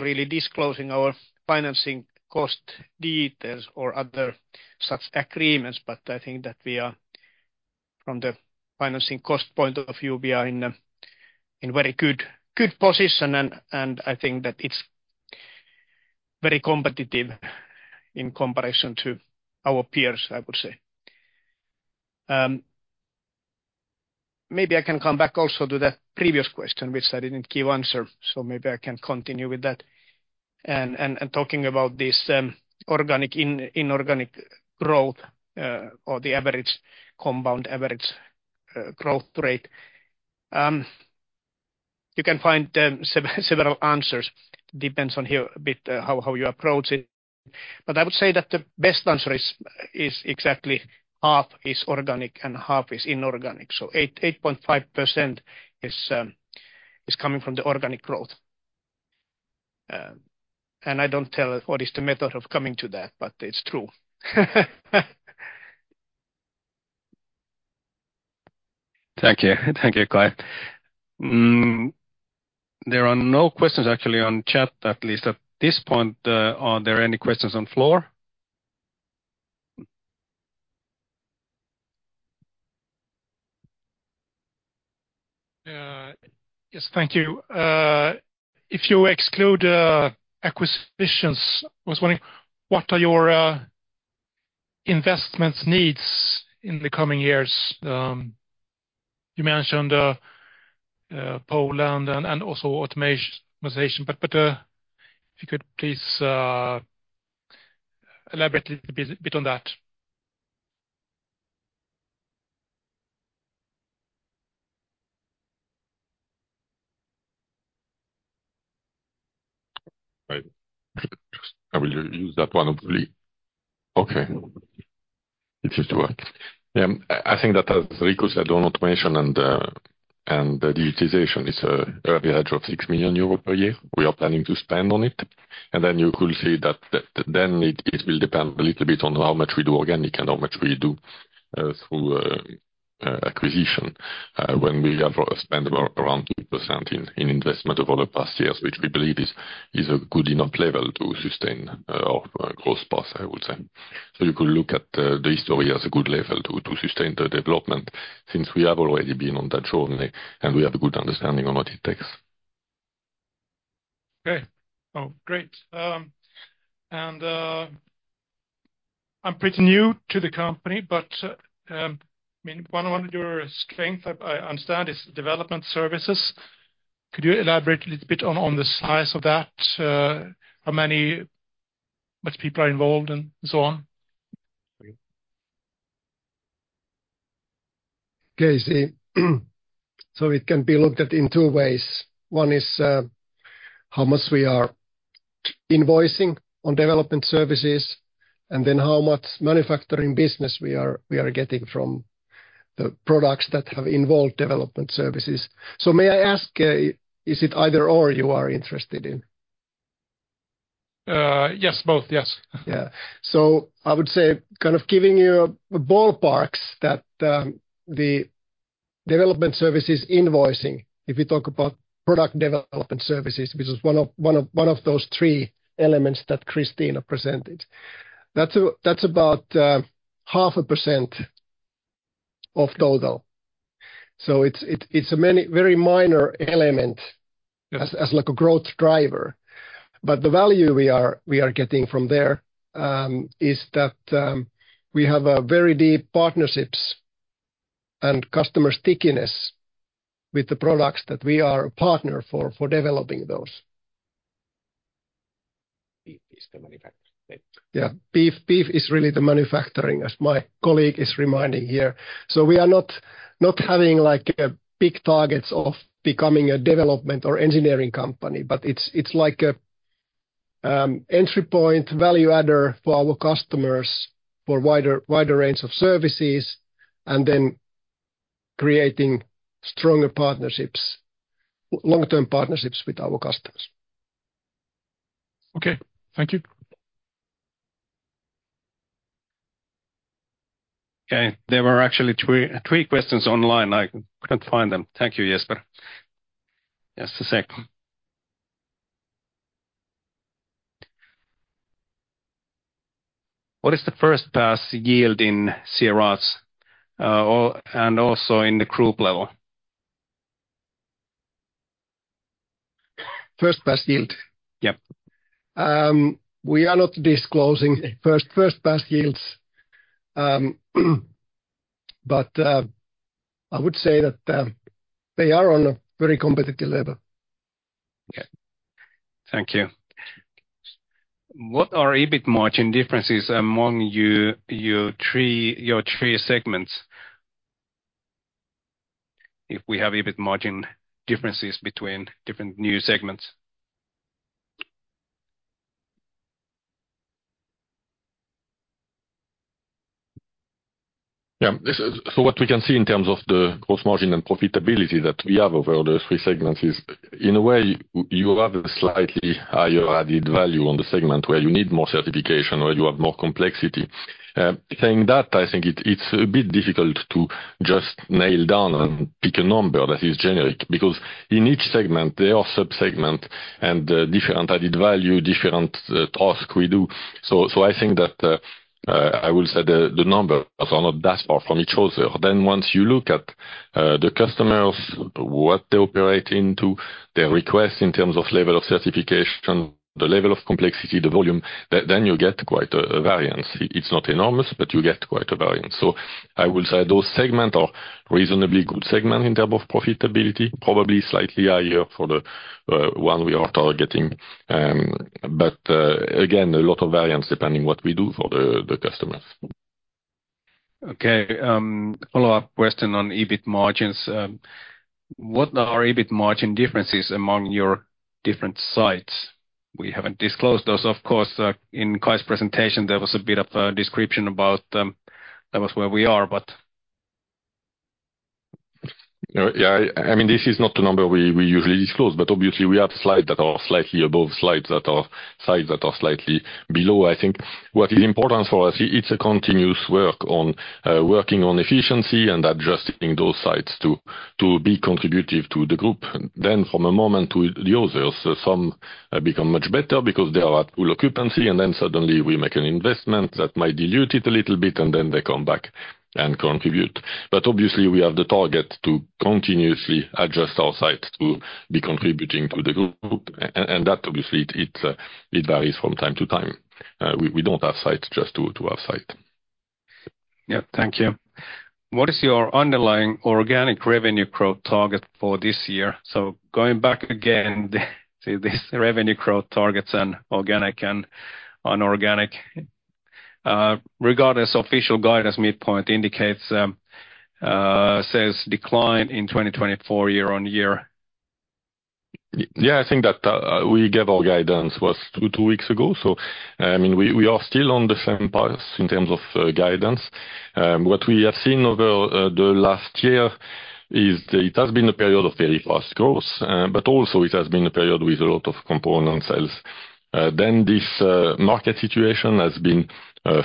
really disclosing our financing cost details or other such agreements, but I think that we are, from the financing cost point of view, we are in a very good position, and I think that it's very competitive in comparison to our peers, I would say. Maybe I can come back also to the previous question, which I didn't give answer, so maybe I can continue with that. And talking about this organic and inorganic growth, or the average, compound average growth rate. You can find several answers. Depends on here a bit how you approach it. But I would say that the best answer is exactly half is organic and half is inorganic. So 8.5% is coming from the organic growth. I don't tell what is the method of coming to that, but it's true. Thank you. Thank you, Kai. There are no questions actually on chat, at least at this point. Are there any questions on floor? Yes, thank you. If you exclude acquisitions, I was wondering, what are your investments needs in the coming years? You mentioned Poland and also automation, but if you could please elaborate a bit on that. I will use that one, hopefully. Okay. It seems to work. Yeah, I think that as Riku said on automation and the digitization, it's an average of 6 million euros per year we are planning to spend on it. And then you will see that then it will depend a little bit on how much we do organic and how much we do through acquisition. When we have spent around 2% in investment over the past years, which we believe is a good enough level to sustain our growth path, I would say. So you could look at the history as a good level to sustain the development, since we have already been on that journey, and we have a good understanding on what it takes. Okay. Oh, great. I'm pretty new to the company, but I mean, one of your strength, I understand, is development services. Could you elaborate a little bit on the size of that? How many people are involved, and so on? Okay, see, so it can be looked at in two ways. One is, how much we are invoicing on development services, and then how much manufacturing business we are, we are getting from the products that have involved development services. So may I ask, is it either or you are interested in? Yes, both, yes. Yeah. So I would say kind of giving you ballparks that, the development services invoicing, if you talk about product development services, which is one of those three elements that Christina presented, that's about 0.5% of total. So it's a very minor element- Yes... as like a growth driver, but the value we are getting from there is that we have a very deep partnerships and customer stickiness with the products that we are a partner for developing those.... Yeah, beef, beef is really the manufacturing, as my colleague is reminding here. So we are not having, like, big targets of becoming a development or engineering company, but it's like a entry point value adder for our customers for wider range of services, and then creating stronger partnerships, with long-term partnerships with our customers. Okay, thank you. Okay, there were actually three, three questions online. I couldn't find them. Thank you, Jesper. Just a sec. What is the first pass yield in Sieradz and also in the group level? First pass yield? Yep. We are not disclosing first pass yields, but I would say that they are on a very competitive level. Yeah. Thank you. What are EBIT margin differences among you, your three, your three segments? If we have EBIT margin differences between different new segments. Yeah, this is. So what we can see in terms of the gross margin and profitability that we have over the three segments is, in a way, you have a slightly higher added value on the segment where you need more certification, or you have more complexity. Saying that, I think it's a bit difficult to just nail down and pick a number that is generic, because in each segment, there are sub-segment and different added value, different task we do. So I think that I will say the numbers are not that far from each other. Then once you look at the customers, what they operate into, their request in terms of level of certification, the level of complexity, the volume, then you get quite a variance. It's not enormous, but you get quite a variance. So I will say those segment are reasonably good segment in term of profitability, probably slightly higher for the one we are targeting. But again, a lot of variance, depending what we do for the customers. Okay, follow-up question on EBIT margins. What are EBIT margin differences among your different sites? We haven't disclosed those. Of course, in Kai's presentation, there was a bit of a description about, that was where we are, but... Yeah, I mean, this is not the number we usually disclose, but obviously, we have slides that are slightly above, slides that are, sites that are slightly below. I think what is important for us, it's a continuous work on, working on efficiency and adjusting those sites to be contributive to the group. Then from a moment to the others, some become much better because they are at full occupancy, and then suddenly we make an investment that might dilute it a little bit, and then they come back and contribute. But obviously, we have the target to continuously adjust our sites to be contributing to the group, and that obviously varies from time to time. We don't have sites just to have site. Yeah. Thank you. What is your underlying organic revenue growth target for this year? So going back again to this revenue growth targets and organic and inorganic, regardless, official guidance midpoint indicates says decline in 2024 year-on-year. Yeah, I think that we gave our guidance 2 weeks ago, so I mean, we are still on the same path in terms of guidance. What we have seen over the last year is that it has been a period of very fast growth, but also it has been a period with a lot of component sales. Then this market situation has been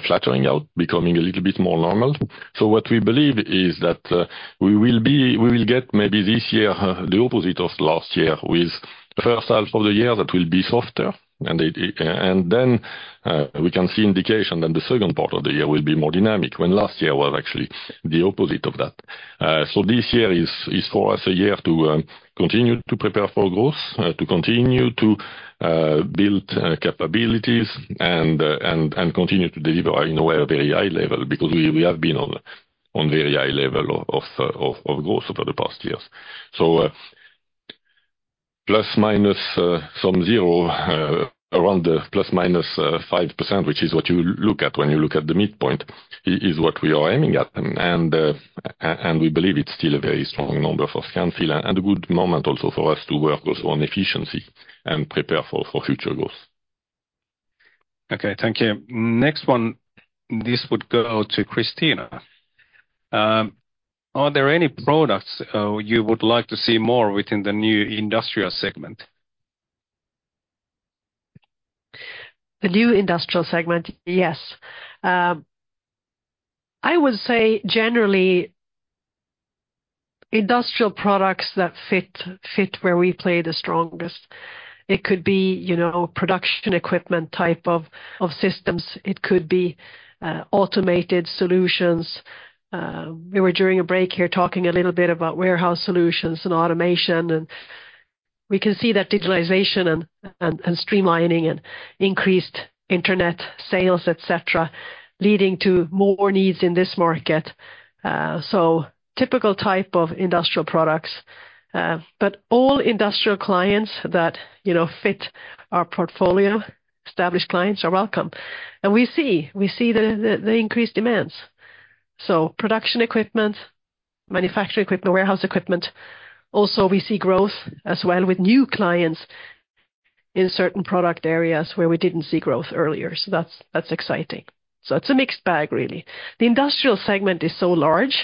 flattening out, becoming a little bit more normal. So what we believe is that we will get maybe this year the opposite of last year, with first half of the year that will be softer, and it... And then we can see indication that the second part of the year will be more dynamic, when last year was actually the opposite of that. So this year is for us a year to continue to prepare for growth, to continue to build capabilities and continue to deliver, in a way, a very high level, because we have been on a very high level of growth over the past years. So plus minus some zero around the plus minus 5%, which is what you look at when you look at the midpoint is what we are aiming at. And we believe it's still a very strong number for Scanfil and a good moment also for us to work also on efficiency and prepare for future growth. Okay, thank you. Next one, this would go to Christina. Are there any products, you would like to see more within the new Industrial segment? The new Industrial segment? Yes. I would say generally, industrial products that fit where we play the strongest. It could be, you know, production equipment type of systems. It could be automated solutions. We were during a break here talking a little bit about warehouse solutions and automation, and we can see that digitalization and streamlining and increased internet sales, et cetera, leading to more needs in this market. So typical type of industrial products, but all industrial clients that, you know, fit our portfolio, established clients are welcome. And we see the increased demands. So production equipment, manufacturing equipment, warehouse equipment. Also, we see growth as well with new clients in certain product areas where we didn't see growth earlier. So that's exciting. So it's a mixed bag, really. The Industrial segment is so large,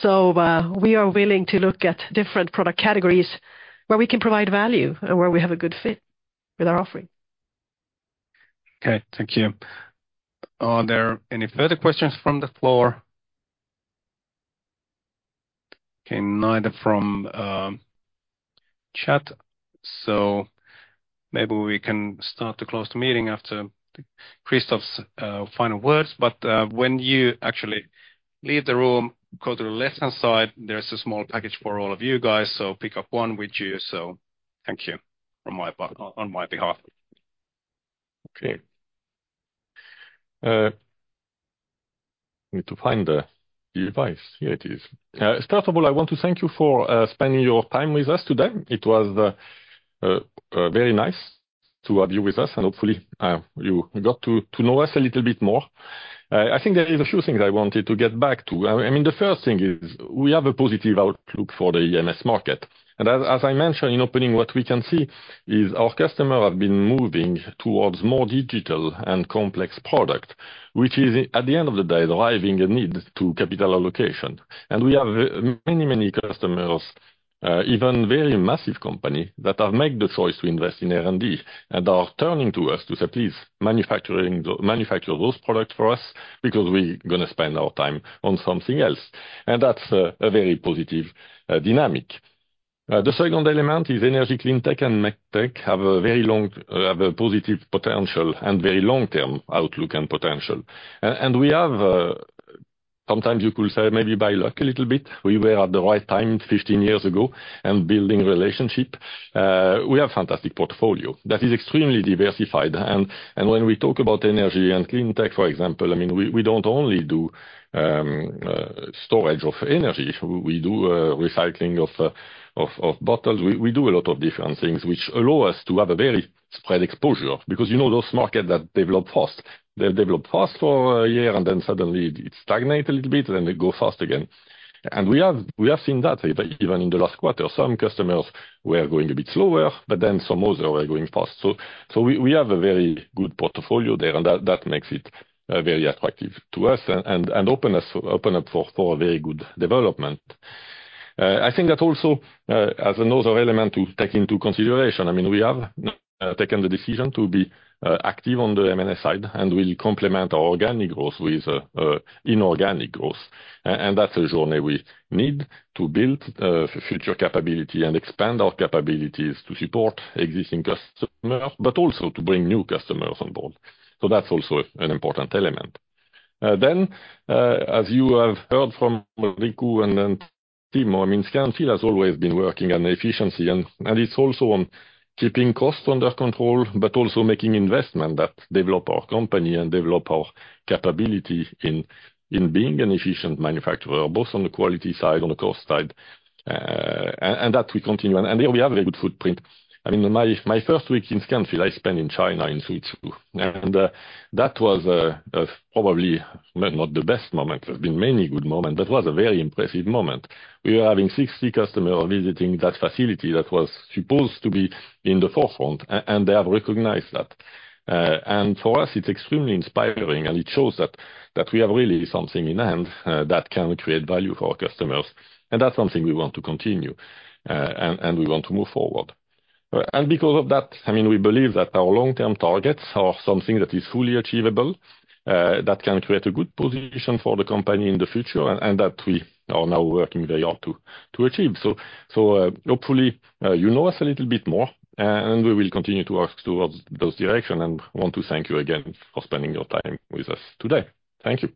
so we are willing to look at different product categories where we can provide value and where we have a good fit with our offering. Okay, thank you. Are there any further questions from the floor? Okay, neither from chat, so maybe we can start to close the meeting after Christophe's final words. But when you actually leave the room, go to the left-hand side, there's a small package for all of you guys, so pick up one with you. So thank you on my behalf. Okay. Need to find the device. Here it is. First of all, I want to thank you for spending your time with us today. It was very nice to have you with us, and hopefully you got to know us a little bit more. I think there is a few things I wanted to get back to. I mean, the first thing is we have a positive outlook for the EMS market. And as I mentioned in opening, what we can see is our customer have been moving towards more digital and complex product, which is, at the end of the day, driving a need to capital allocation. And we have many, many customers, even very massive company, that have made the choice to invest in R&D and are turning to us to say, "Please, manufacturing, manufacture those products for us, because we gonna spend our time on something else." And that's a very positive dynamic. The second element is Energy, Cleantech, and Medtech have a positive potential and very long-term outlook and potential. And we have, sometimes you could say maybe by luck a little bit, we were at the right time 15 years ago and building relationship. We have fantastic portfolio that is extremely diversified. And when we talk about Energy and Cleantech, for example, I mean, we don't only do storage of Energy. We do recycling of bottles. We do a lot of different things which allow us to have a very spread exposure, because you know those market that develop fast. They develop fast for a year, and then suddenly it stagnate a little bit, and then they go fast again. And we have seen that even in the last quarter. Some customers were going a bit slower, but then some others were going fast. So we have a very good portfolio there, and that makes it very attractive to us and open up for a very good development. I think that also as another element to take into consideration. I mean, we have taken the decision to be active on the M&A side, and we complement our organic growth with inorganic growth. And that's a journey we need to build, future capability and expand our capabilities to support existing customers, but also to bring new customers on board. So that's also an important element. Then, as you have heard from Riku and then Timo, I mean, Scanfil has always been working on efficiency and, and it's also on keeping costs under control, but also making investment that develop our company and develop our capability in, in being an efficient manufacturer, both on the quality side, on the cost side, and that we continue. And, and here we have a good footprint. I mean, my first week in Scanfil, I spent in China, in Suzhou, and, that was, probably maybe not the best moment. There have been many good moment, but it was a very impressive moment. We were having 60 customers visiting that facility that was supposed to be in the forefront, and they have recognized that. And for us, it's extremely inspiring, and it shows that we have really something in hand that can create value for our customers, and that's something we want to continue, and we want to move forward. And because of that, I mean, we believe that our long-term targets are something that is fully achievable, that can create a good position for the company in the future, and that we are now working very hard to achieve. So, hopefully, you know us a little bit more, and we will continue to work towards those direction. And I want to thank you again for spending your time with us today. Thank you.